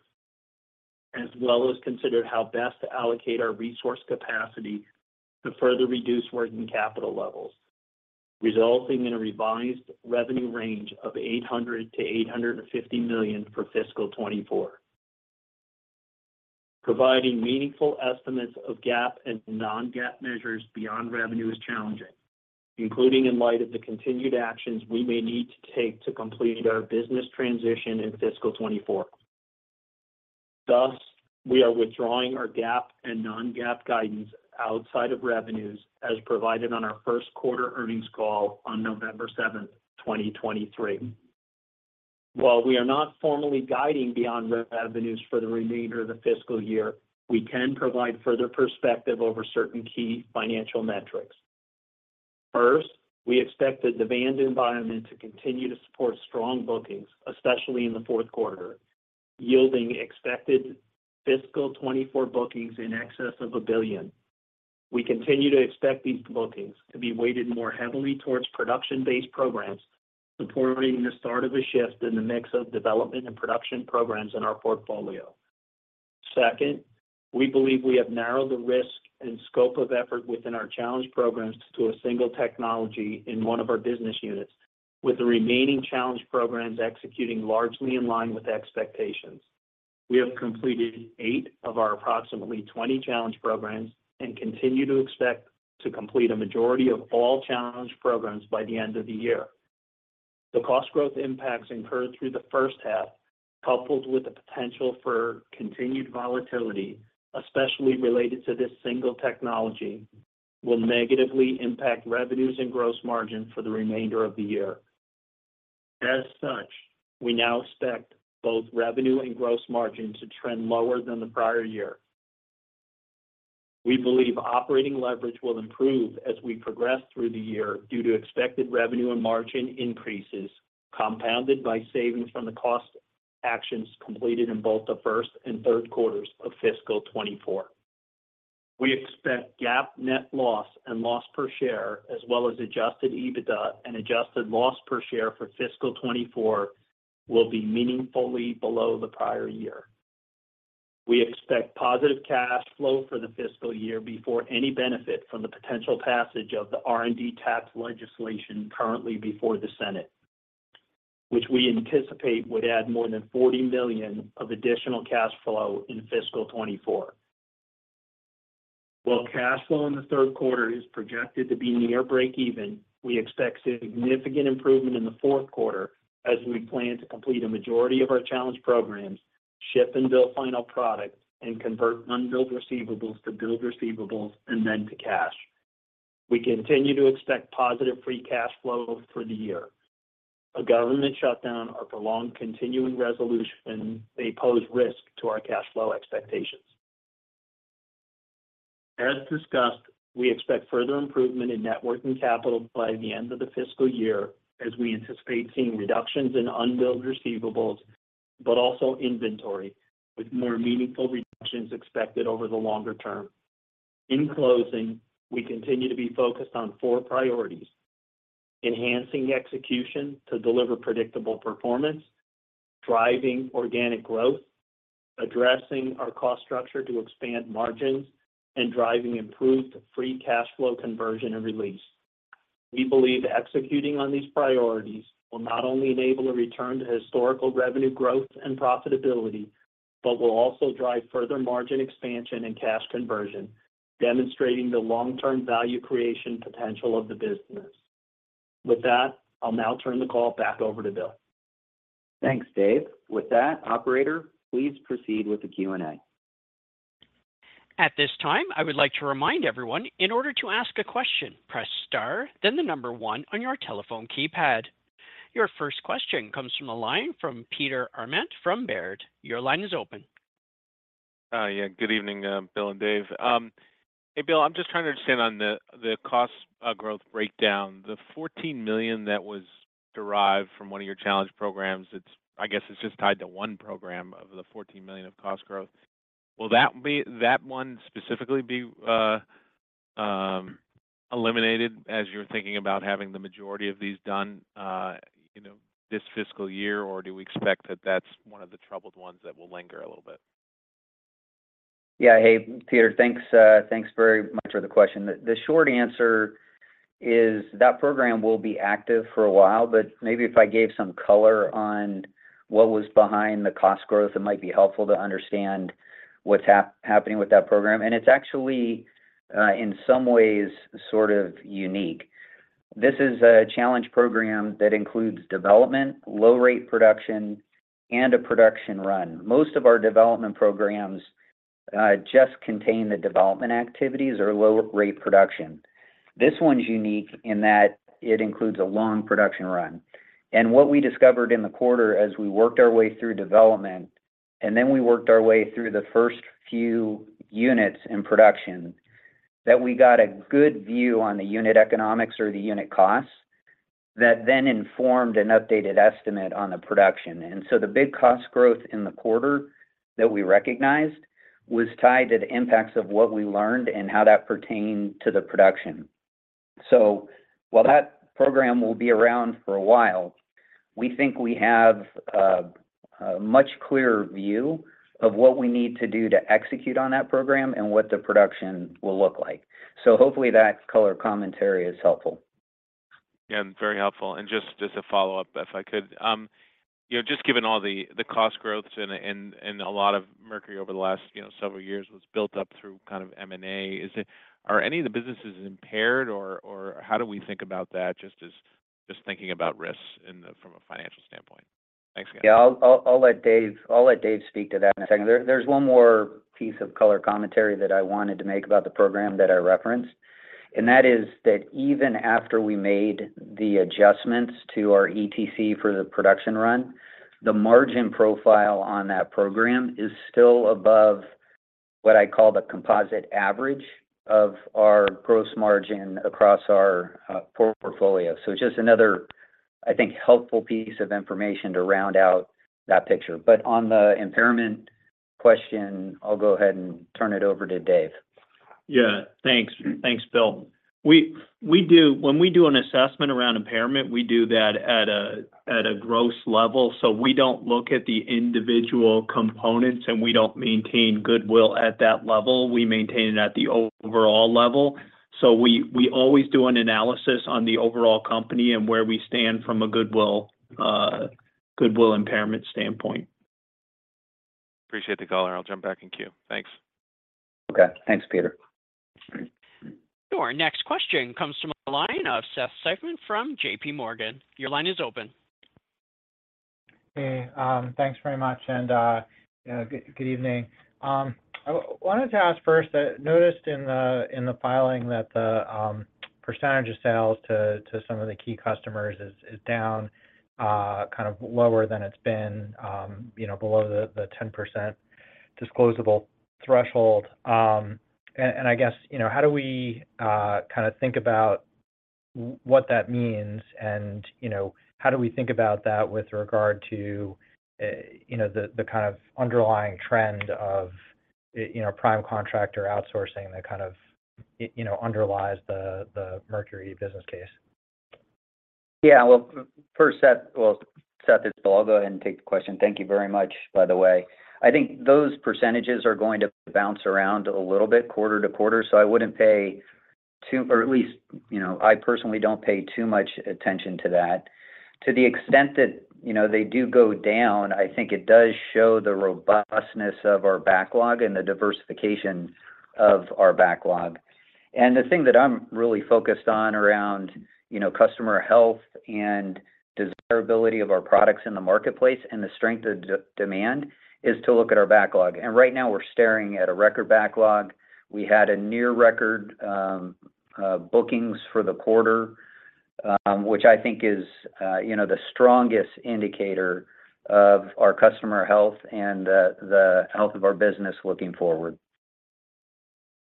as well as considered how best to allocate our resource capacity to further reduce working capital levels, resulting in a revised revenue range of $800 million-$850 million for fiscal 2024. Providing meaningful estimates of GAAP and non-GAAP measures beyond revenue is challenging, including in light of the continued actions we may need to take to complete our business transition in fiscal 2024. Thus, we are withdrawing our GAAP and non-GAAP guidance outside of revenues as provided on our first quarter earnings call on November 7, 2023. While we are not formally guiding beyond revenues for the remainder of the fiscal year, we can provide further perspective over certain key financial metrics. First, we expect the demand environment to continue to support strong bookings, especially in the fourth quarter, yielding expected fiscal 2024 bookings in excess of $1 billion. We continue to expect these bookings to be weighted more heavily towards production-based programs, supporting the start of a shift in the mix of development and production programs in our portfolio. Second, we believe we have narrowed the risk and scope of effort within our challenged programs to a single technology in one of our business units, with the remaining challenged programs executing largely in line with expectations. We have completed 8 of our approximately 20 challenged programs and continue to expect to complete a majority of all challenged programs by the end of the year. The cost growth impacts incurred through the first half, coupled with the potential for continued volatility, especially related to this single technology, will negatively impact revenues and gross margin for the remainder of the year. As such, we now expect both revenue and gross margin to trend lower than the prior year. We believe operating leverage will improve as we progress through the year due to expected revenue and margin increases, compounded by savings from the cost actions completed in both the first and third quarters of fiscal 2024. We expect GAAP net loss and loss per share, as well as Adjusted EBITDA and adjusted loss per share for fiscal 2024, will be meaningfully below the prior year. We expect positive cash flow for the fiscal year before any benefit from the potential passage of the R&D tax legislation currently before the Senate, which we anticipate would add more than $40 million of additional cash flow in fiscal 2024. While cash flow in the third quarter is projected to be near breakeven, we expect significant improvement in the fourth quarter as we plan to complete a majority of our challenged programs, ship and bill final products, and convert unbilled receivables to billed receivables and then to cash. We continue to expect positive free cash flow for the year. A government shutdown or prolonged continuing resolution may pose risk to our cash flow expectations. As discussed, we expect further improvement in net working capital by the end of the fiscal year, as we anticipate seeing reductions in unbilled receivables, but also inventory, with more meaningful reductions expected over the longer term. In closing, we continue to be focused on four priorities: enhancing execution to deliver predictable performance, driving organic growth, addressing our cost structure to expand margins, and driving improved free cash flow conversion and release. We believe executing on these priorities will not only enable a return to historical revenue growth and profitability but will also drive further margin expansion and cash conversion, demonstrating the long-term value creation potential of the business. With that, I'll now turn the call back over to Bill. Thanks, Dave. With that, operator, please proceed with the Q&A. At this time, I would like to remind everyone, in order to ask a question, press star, then the number 1 on your telephone keypad. Your first question comes from the line from Peter Arment from Baird. Your line is open. Yeah, good evening, Bill and Dave. Hey, Bill, I'm just trying to understand on the cost growth breakdown. The $14 million that was derived from one of your challenge programs, it's—I guess it's just tied to one program of the $14 million of cost growth. Will that one specifically be eliminated as you're thinking about having the majority of these done this fiscal year? Or do we expect that that's one of the troubled ones that will linger a little bit? Yeah. Hey, Peter, thanks, thanks very much for the question. The short answer is that program will be active for a while, but maybe if I gave some color on what was behind the cost growth, it might be helpful to understand what's happening with that program. It's actually, in some ways, sort of unique. This is a challenge program that includes development, low rate production, and a production run. Most of our development programs just contain the development activities or low rate production. This one's unique in that it includes a long production run. What we discovered in the quarter as we worked our way through development, and then we worked our way through the first few units in production, that we got a good view on the unit economics or the unit costs, that then informed an updated estimate on the production. The big cost growth in the quarter that we recognized was tied to the impacts of what we learned and how that pertained to the production. While that program will be around for a while, we think we have a much clearer view of what we need to do to execute on that program and what the production will look like. Hopefully that color commentary is helpful. Yeah, very helpful. And just a follow-up, if I could. You know, just given all the cost growth and a lot of Mercury over the last several years was built up through kind of M&A, is it, are any of the businesses impaired, or how do we think about that? Just thinking about risks in the, from a financial standpoint. Thanks again. Yeah, I'll let Dave speak to that in a second. There's one more piece of color commentary that I wanted to make about the program that I referenced, and that is that even after we made the adjustments to our ETC for the production run, the margin profile on that program is still above what I call the composite average of our gross margin across our core portfolio. So just another, I think, helpful piece of information to round out that picture. But on the impairment question, I'll go ahead and turn it over to Dave. Yeah. Thanks. Thanks, Bill. When we do an assessment around impairment, we do that at a gross level, so we don't look at the individual components, and we don't maintain goodwill at that level. We maintain it at the overall level. So we always do an analysis on the overall company and where we stand from a goodwill impairment standpoint. Appreciate the call, and I'll jump back in queue. Thanks. Okay. Thanks, Peter. Our next question comes from the line of Seth Seifman from JPMorgan. Your line is open. Hey, thanks very much, and good evening. I wanted to ask first. I noticed in the filing that the percentage of sales to some of the key customers is down, kind of lower than it's been below the 10% disclosable threshold. And I guess how do we kind of think about what that means? And how do we think about that with regard to the kind of underlying trend of prime contractor outsourcing that kind of underlies the Mercury business case? Yeah. Well, first, Seth, well, Seth, it's Bill. I'll go ahead and take the question. Thank you very much, by the way. I think those percentages are going to bounce around a little bit quarter-to-quarter, so I wouldn't pay too, or at least I personally don't pay too much attention to that. To the extent that they do go down, I think it does show the robustness of our backlog and the diversification of our backlog. And the thing that I'm really focused on around customer health and desirability of our products in the marketplace and the strength of demand, is to look at our backlog. And right now, we're staring at a record backlog. We had a near record bookings for the quarter, which I think is the strongest indicator of our customer health and the health of our business looking forward.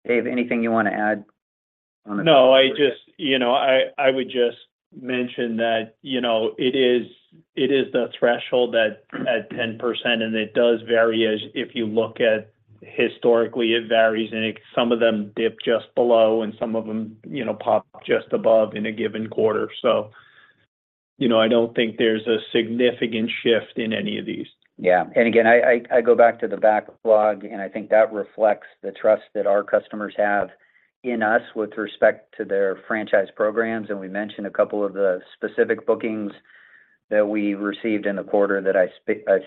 Dave, anything you want to add on the- No, I just. You know, I would just mention that it is the threshold that at 10%, and it does vary as—if you look at historically, it varies, and some of them dip just below, and some of them pop just above in a given quarter. So, I don't think there's a significant shift in any of these. Yeah. And again, I go back to the backlog, and I think that reflects the trust that our customers have in us with respect to their franchise programs, and we mentioned a couple of the specific bookings that we received in the quarter that I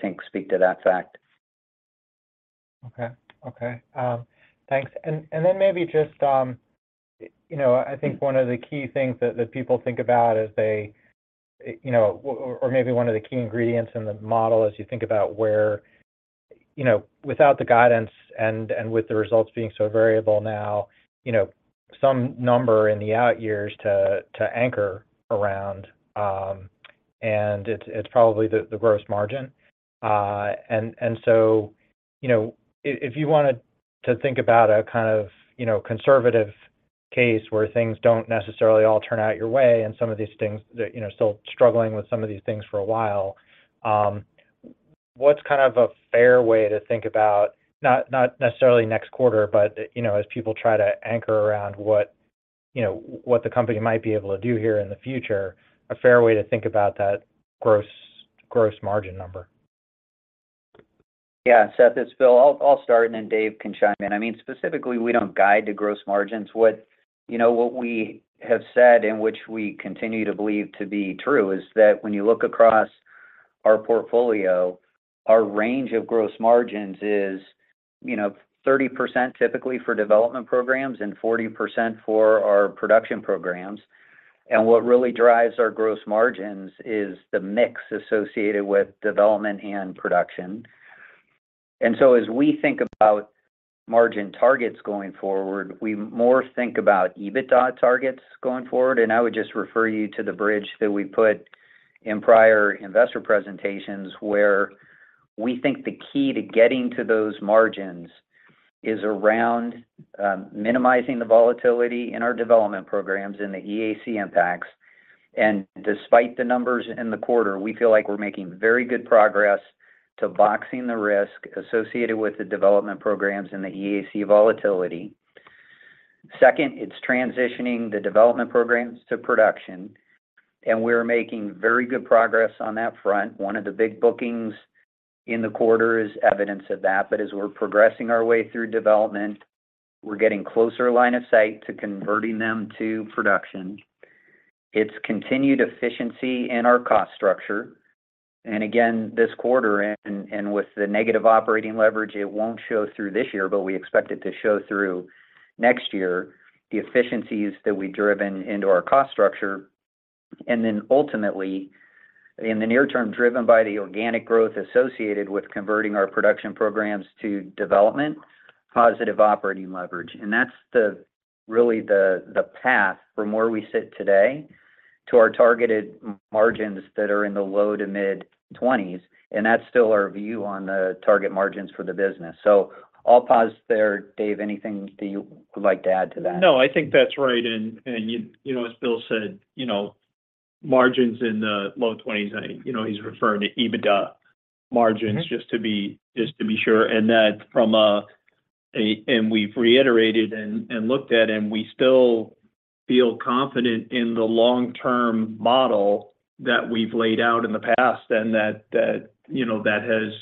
think speak to that fact. Okay. Okay, thanks. And then maybe just I think one of the key things that people think about as they or maybe one of the key ingredients in the model as you think about where without the guidance and with the results being so variable now some number in the out years to anchor around, and it's probably the gross margin. And so if you wanted to think about a kind of conservative case where things don't necessarily all turn out your way, and some of these things that still struggling with some of these things for a while, what's kind of a fair way to think about, not necessarily next quarter, but as people try to anchor around what the company might be able to do here in the future, a fair way to think about that gross margin number? Yeah, Seth, it's Bill. I'll start, and then Dave can chime in. I mean, specifically, we don't guide to gross margins. What we have said, and which we continue to believe to be true, is that when you look across our portfolio, our range of gross margins is 30% typically for development programs and 40% for our production programs. And what really drives our gross margins is the mix associated with development and production. And so as we think about margin targets going forward, we more think about EBITDA targets going forward, and I would just refer you to the bridge that we put in prior investor presentations, where we think the key to getting to those margins is around minimizing the volatility in our development programs in the EAC impacts. Despite the numbers in the quarter, we feel like we're making very good progress to boxing the risk associated with the development programs and the EAC volatility. Second, it's transitioning the development programs to production, and we're making very good progress on that front. One of the big bookings in the quarter is evidence of that. But as we're progressing our way through development, we're getting closer line of sight to converting them to production. It's continued efficiency in our cost structure, and again, this quarter and with the negative operating leverage, it won't show through this year, but we expect it to show through next year, the efficiencies that we've driven into our cost structure. And then ultimately, in the near term, driven by the organic growth associated with converting our production programs to development, positive operating leverage. And that's really the path from where we sit today to our targeted margins that are in the low- to mid-20s, and that's still our view on the target margins for the business. So I'll pause there. Dave, anything that you would like to add to that? No, I think that's right. And as Bill said margins in the low 20s. You know, he's referring to EBITDA margins just to be sure. And we've reiterated and looked at, and we still feel confident in the long-term model that we've laid out in the past, and that has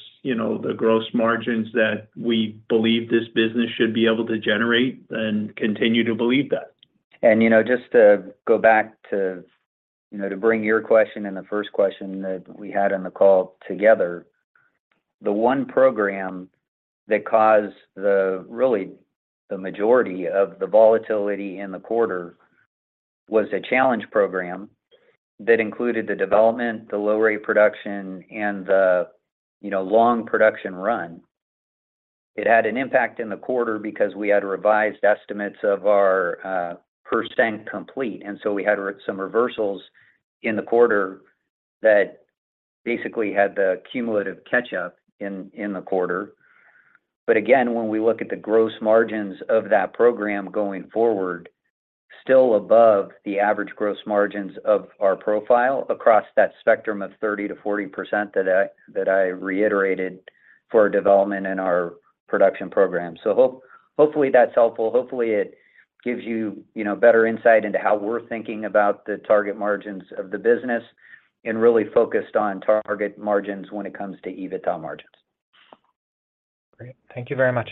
the gross margins that we believe this business should be able to generate and continue to believe that. You know, just to go back to bring your question and the first question that we had on the call together, the one program that caused the, really the majority of the volatility in the quarter was a challenge program that included the development, the low-rate production, and the long production run. It had an impact in the quarter because we had revised estimates of our percent complete, and so we had some reversals in the quarter that basically had the cumulative catch-up in the quarter. But again, when we look at the gross margins of that program going forward, still above the average gross margins of our profile across that spectrum of 30%-40% that I, that I reiterated for our development and our production program. Hopefully, that's helpful. Hopefully, it gives you better insight into how we're thinking about the target margins of the business and really focused on target margins when it comes to EBITDA margins. Great. Thank you very much.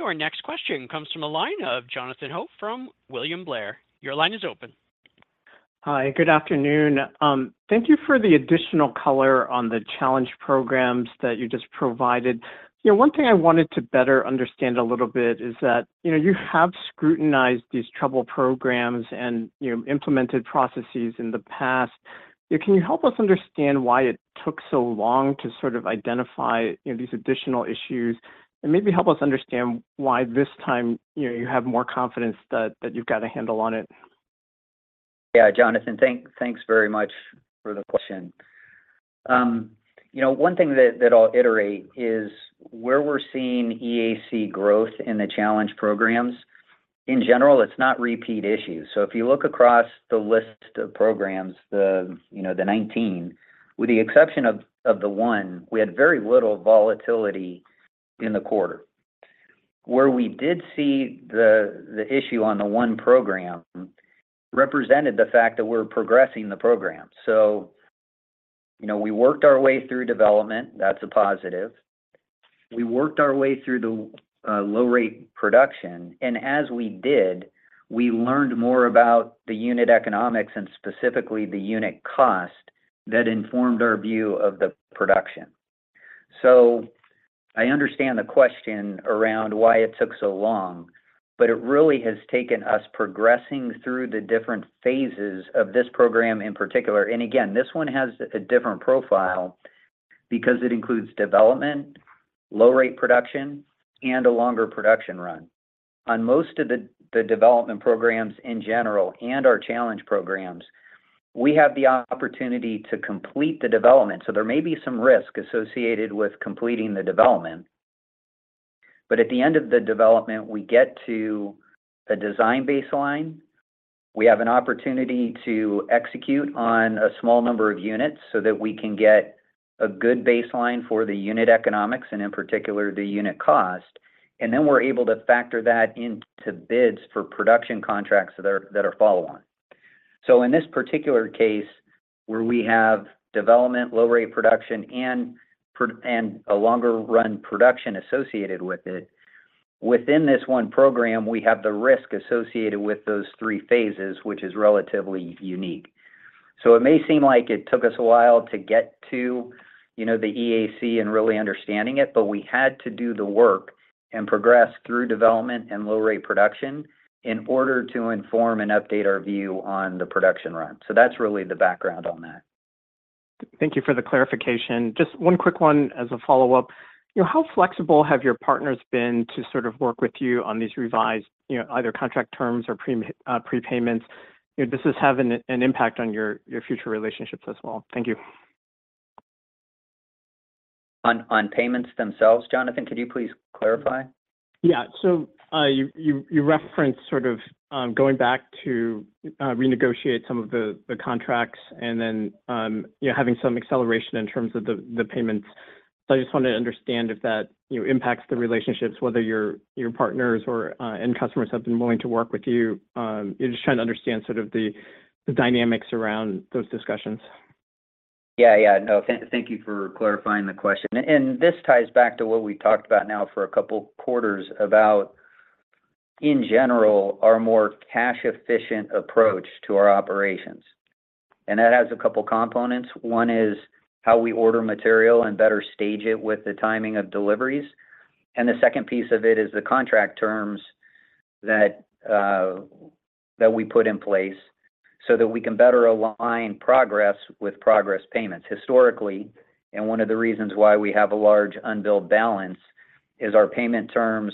Your next question comes from the line of Jonathan Ho from William Blair. Your line is open. Hi, good afternoon. Thank you for the additional color on the challenged programs that you just provided. You know, one thing I wanted to better understand a little bit is that you have scrutinized these troubled programs and implemented processes in the past. Can you help us understand why it took so long to sort of identify these additional issues? And maybe help us understand why this time you have more confidence that, that you've got a handle on it. Yeah, Jonathan, thanks very much for the question. You know, one thing that I'll iterate is where we're seeing EAC growth in the challenge programs. In general, it's not repeat issues. So if you look across the list of programs the 19, with the exception of the one, we had very little volatility in the quarter. Where we did see the issue on the one program represented the fact that we're progressing the program. So, we worked our way through development. That's a positive. We worked our way through the low-rate production, and as we did, we learned more about the unit economics and specifically the unit cost that informed our view of the production. So I understand the question around why it took so long, but it really has taken us progressing through the different phases of this program in particular. And again, this one has a different profile, because it includes development, low-rate production, and a longer production run. On most of the development programs in general and our challenge programs, we have the opportunity to complete the development. So there may be some risk associated with completing the development, but at the end of the development, we get to a design baseline. We have an opportunity to execute on a small number of units so that we can get a good baseline for the unit economics, and in particular, the unit cost. And then we're able to factor that into bids for production contracts that are follow-on. So in this particular case, where we have development, low-rate production, and production and a longer run production associated with it, within this one program, we have the risk associated with those three phases, which is relatively unique. So it may seem like it took us a while to get to the EAC and really understanding it, but we had to do the work and progress through development and low-rate production in order to inform and update our view on the production run. So that's really the background on that. Thank you for the clarification. Just one quick one as a follow-up. You know, how flexible have your partners been to sort of work with you on these revised either contract terms or prem-- prepayments? You know, does this have an impact on your future relationships as well? Thank you. On payments themselves, Jonathan, could you please clarify? Yeah. So, you referenced sort of going back to renegotiate some of the contracts and then having some acceleration in terms of the payments. So I just wanted to understand if that impacts the relationships, whether your partners or end customers have been willing to work with you. I'm just trying to understand sort of the dynamics around those discussions. Yeah, yeah. No, thank you for clarifying the question. And this ties back to what we talked about now for a couple quarters, about, in general, our more cash-efficient approach to our operations. And that has a couple components. One is how we order material and better stage it with the timing of deliveries, and the second piece of it is the contract terms that that we put in place so that we can better align progress with progress payments. Historically, and one of the reasons why we have a large unbilled balance, is our payment terms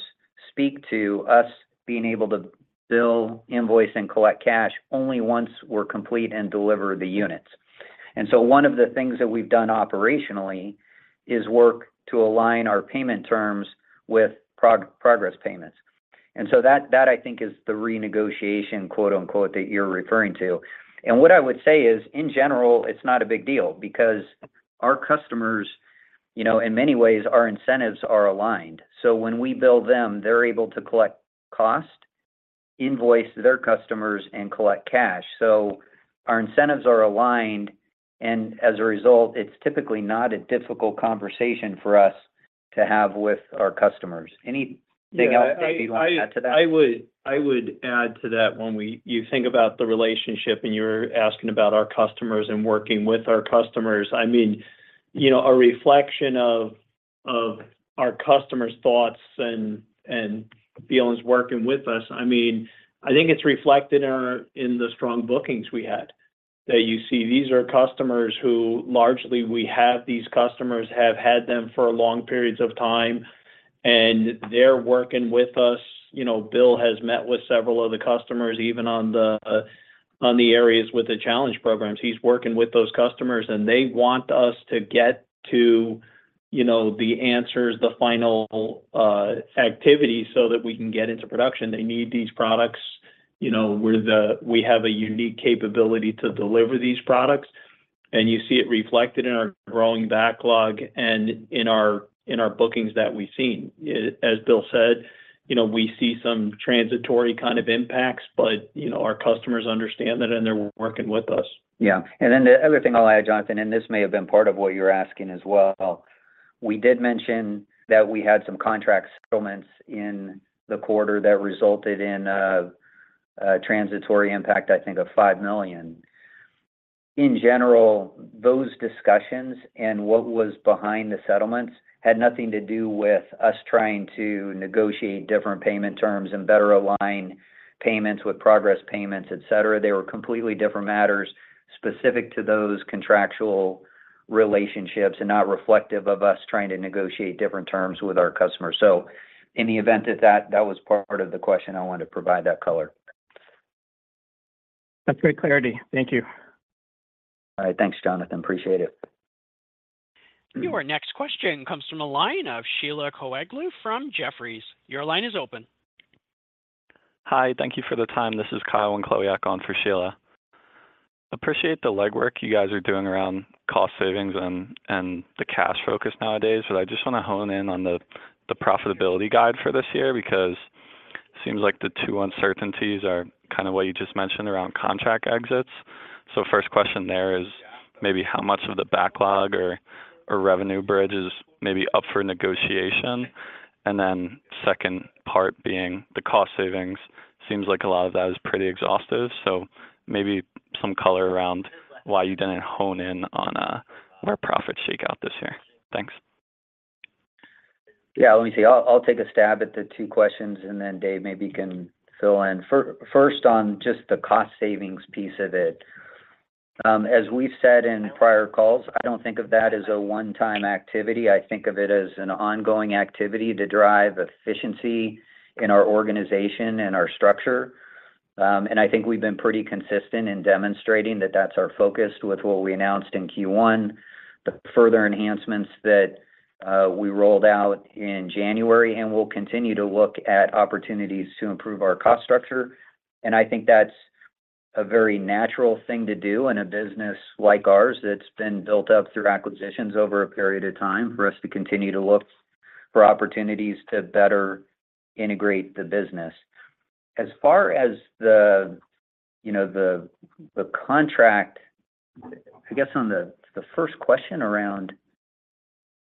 speak to us being able to bill, invoice, and collect cash only once we're complete and deliver the units. And so one of the things that we've done operationally is work to align our payment terms with progress payments. And so that, that I think is the "renegotiation," quote-unquote, that you're referring to. And what I would say is, in general, it's not a big deal because our customers in many ways, our incentives are aligned. So when we bill them, they're able to collect cost, invoice their customers, and collect cash. So our incentives are aligned, and as a result, it's typically not a difficult conversation for us to have with our customers. Anything else that you'd like to add to that? I would add to that. When you think about the relationship, and you're asking about our customers and working with our customers, I mean a reflection of our customers' thoughts and feelings working with us, I mean, I think it's reflected in our—in the strong bookings we had. That you see these are customers who largely we have, these customers have had them for long periods of time, and they're working with us. You know, Bill has met with several of the customers, even on the areas with the challenge programs. He's working with those customers, and they want us to get to the answers, the final activity, so that we can get into production. They need these products. You know, we have a unique capability to deliver these products, and you see it reflected in our growing backlog and in our bookings that we've seen. As Bill said, we see some transitory kind of impacts, but our customers understand that, and they're working with us. Yeah. And then the other thing I'll add, Jonathan, and this may have been part of what you were asking as well. We did mention that we had some contract settlements in the quarter that resulted in a transitory impact, I think, of $5 million. In general, those discussions and what was behind the settlements had nothing to do with us trying to negotiate different payment terms and better align payments with progress payments, et cetera. They were completely different matters specific to those contractual relationships and not reflective of us trying to negotiate different terms with our customers. So in the event that that was part of the question, I wanted to provide that color. That's great clarity. Thank you. All right. Thanks, Jonathan. Appreciate it. Your next question comes from the line of Sheila Kahyaoglu from Jefferies. Your line is open. Hi, thank you for the time. This is Kyle Wenclawiak on for Sheila. Appreciate the legwork you guys are doing around cost savings and the cash focus nowadays, but I just want to hone in on the profitability guide for this year, because. Seems like the two uncertainties are kind of what you just mentioned around contract exits. So first question there is maybe how much of the backlog or revenue bridge is maybe up for negotiation? And then second part being the cost savings, seems like a lot of that is pretty exhaustive. So maybe some color around why you didn't hone in on more profit shakeout this year. Thanks. Yeah, let me see. I'll take a stab at the two questions, and then Dave maybe can fill in. First, on just the cost savings piece of it, as we've said in prior calls, I don't think of that as a one-time activity. I think of it as an ongoing activity to drive efficiency in our organization and our structure. And I think we've been pretty consistent in demonstrating that that's our focus with what we announced in Q1, the further enhancements that we rolled out in January, and we'll continue to look at opportunities to improve our cost structure. And I think that's a very natural thing to do in a business like ours, that's been built up through acquisitions over a period of time, for us to continue to look for opportunities to better integrate the business. As far as the contract, I guess on the first question around-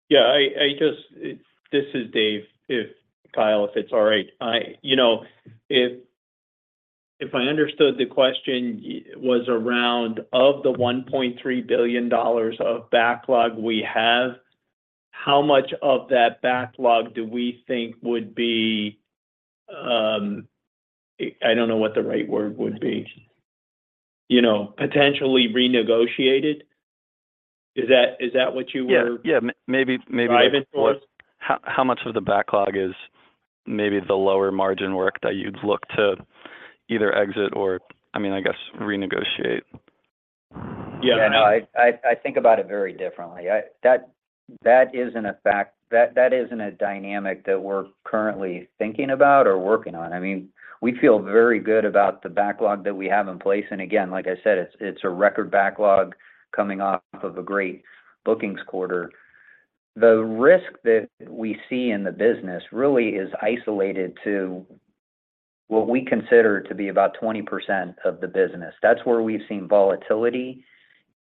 Yeah, I just. This is Dave. If Kyle, if it's all right. You know, if I understood the question was around the $1.3 billion of backlog we have, how much of that backlog do we think would be. I don't know what the right word would be. You know, potentially renegotiated? Is that what you were- Yeah, yeah. Maybe, maybe- Driving towards? How, how much of the backlog is maybe the lower margin work that you'd look to either exit or, I mean, I guess, renegotiate? Yeah. Yeah, no, I think about it very differently. That isn't a fact. That isn't a dynamic that we're currently thinking about or working on. I mean, we feel very good about the backlog that we have in place. And again, like I said, it's a record backlog coming off of a great bookings quarter. The risk that we see in the business really is isolated to what we consider to be about 20% of the business. That's where we've seen volatility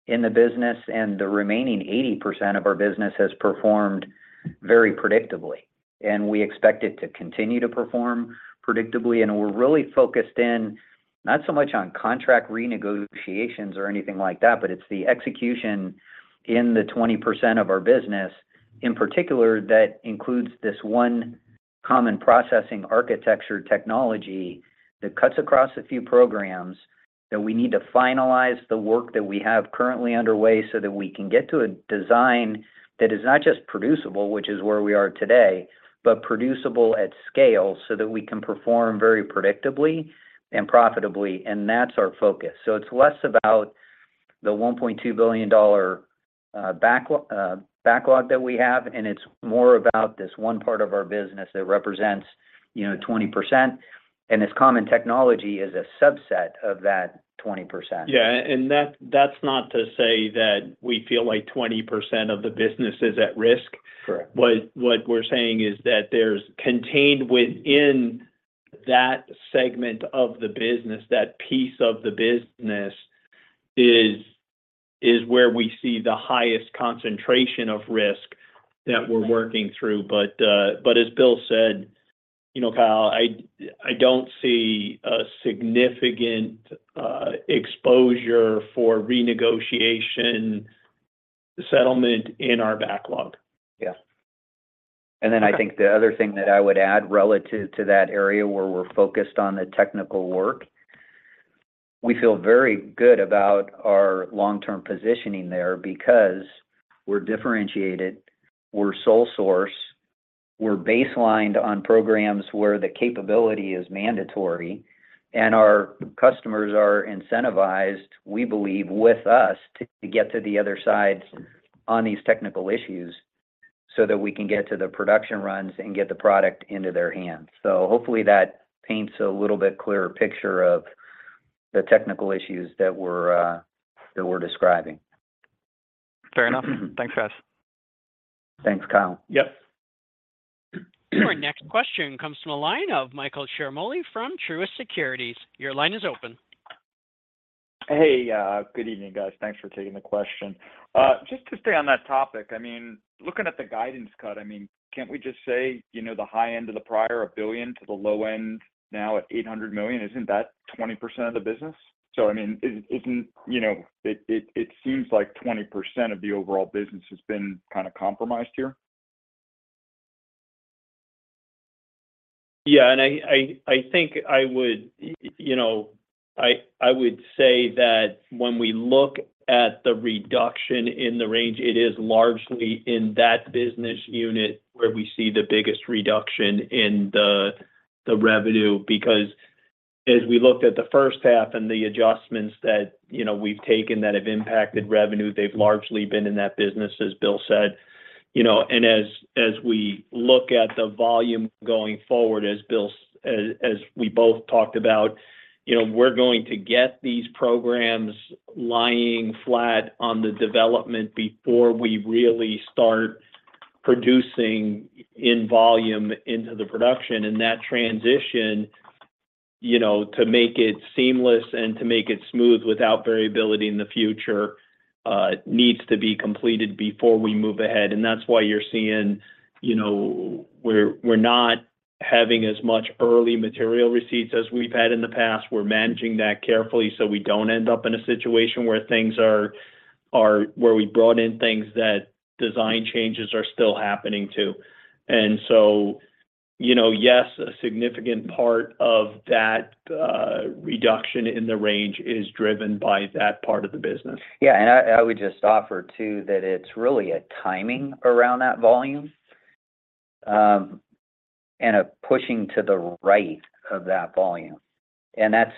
in the business, and the remaining 80% of our business has performed very predictably, and we expect it to continue to perform predictably. And we're really focused, not so much on contract renegotiations or anything like that, but on the execution in the 20% of our business. In particular, that includes this one common processing architecture technology that cuts across a few programs, that we need to finalize the work that we have currently underway, so that we can get to a design that is not just producible, which is where we are today, but producible at scale, so that we can perform very predictably and profitably, and that's our focus. So it's less about the $1.2 billion backlog that we have, and it's more about this one part of our business that represents 20%, and this common technology is a subset of that 20%. Yeah, and that, that's not to say that we feel like 20% of the business is at risk. Correct. What, what we're saying is that there's contained within that segment of the business, that piece of the business, is, is where we see the highest concentration of risk that we're working through. But, but as Bill said, Kyle, I, I don't see a significant, exposure for renegotiation settlement in our backlog. Yeah. And then I think the other thing that I would add relative to that area where we're focused on the technical work, we feel very good about our long-term positioning there because we're differentiated, we're sole source, we're baselined on programs where the capability is mandatory, and our customers are incentivized, we believe, with us, to get to the other side on these technical issues, so that we can get to the production runs and get the product into their hands. So hopefully that paints a little bit clearer picture of the technical issues that we're that we're describing. Fair enough. Thanks, guys. Thanks, Kyle. Yep. Our next question comes from the line of Michael Ciarmoli from Truist Securities. Your line is open. Hey, good evening, guys. Thanks for taking the question. Just to stay on that topic, I mean, looking at the guidance cut, I mean, can't we just say the high end of the prior, $1 billion, to the low end now at $800 million, isn't that 20% of the business? So I mean, isn't. You know, it seems like 20% of the overall business has been kind of compromised here. Yeah, and I think I would say that when we look at the reduction in the range, it is largely in that business unit where we see the biggest reduction in the revenue. Because as we looked at the first half and the adjustments that we've taken that have impacted revenue, they've largely been in that business, as Bill said. You know, and as we look at the volume going forward, as we both talked about we're going to get these programs lying flat on the development before we really start producing in volume into the production, and that transition to make it seamless and to make it smooth without variability in the future needs to be completed before we move ahead. And that's why you're seeing we're not having as much early material receipts as we've had in the past. We're managing that carefully, so we don't end up in a situation where we brought in things that design changes are still happening to. And so yes, a significant part of that reduction in the range is driven by that part of the business. Yeah, and I, I would just offer, too, that it's really a timing around that volume, and a pushing to the right of that volume. That's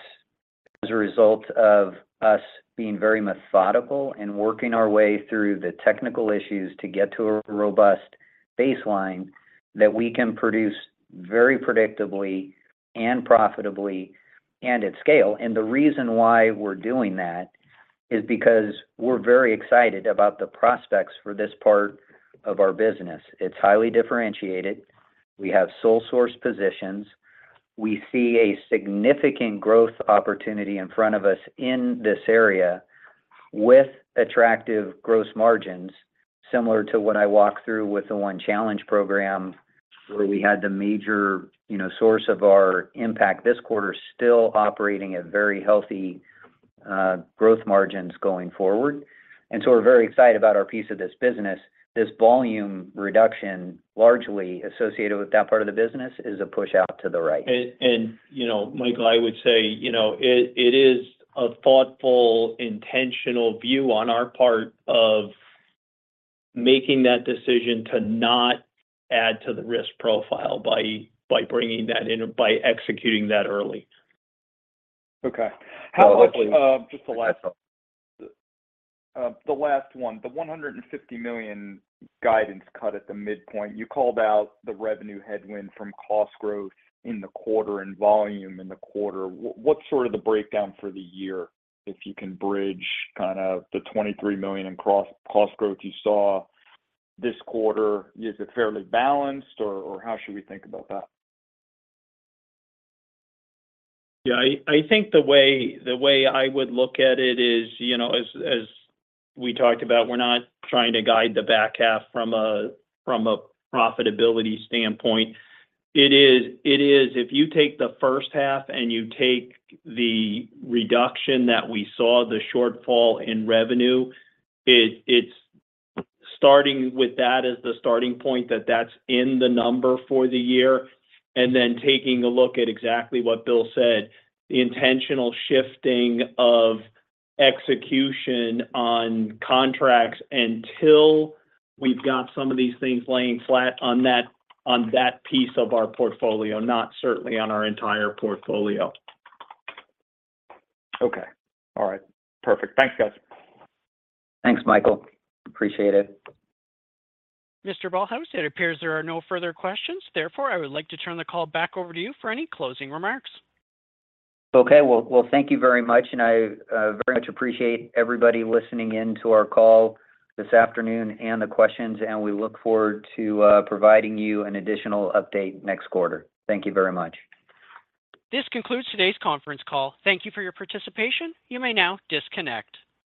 as a result of us being very methodical and working our way through the technical issues to get to a robust baseline that we can produce very predictably and profitably and at scale. The reason why we're doing that is because we're very excited about the prospects for this part of our business. It's highly differentiated. We have sole source positions. We see a significant growth opportunity in front of us in this area with attractive gross margins, similar to what I walked through with the one challenge program, where we had the major source of our impact this quarter, still operating at very healthy growth margins going forward. And so we're very excited about our piece of this business. This volume reduction, largely associated with that part of the business, is a push out to the right. You know, Michael, I would say it is a thoughtful, intentional view on our part of making that decision to not add to the risk profile by bringing that in, by executing that early. Okay. How much- Actually- Just the last, the last one. The $150 million guidance cut at the midpoint, you called out the revenue headwind from cost growth in the quarter and volume in the quarter. What, what's sort of the breakdown for the year, if you can bridge kind of the $23 million in cost growth you saw this quarter? Is it fairly balanced, or, or how should we think about that? Yeah, I think the way I would look at it is as we talked about, we're not trying to guide the back half from a profitability standpoint. It is. If you take the first half, and you take the reduction that we saw, the shortfall in revenue, it's starting with that as the starting point, that's in the number for the year. And then taking a look at exactly what Bill said, the intentional shifting of execution on contracts until we've got some of these things laying flat on that piece of our portfolio, not certainly on our entire portfolio. Okay. All right. Perfect. Thanks, guys. Thanks, Michael. Appreciate it. Mr. Ballhaus, it appears there are no further questions. Therefore, I would like to turn the call back over to you for any closing remarks. Okay. Well, thank you very much, and I very much appreciate everybody listening in to our call this afternoon and the questions, and we look forward to providing you an additional update next quarter. Thank you very much. This concludes today's conference call. Thank you for your participation. You may now disconnect.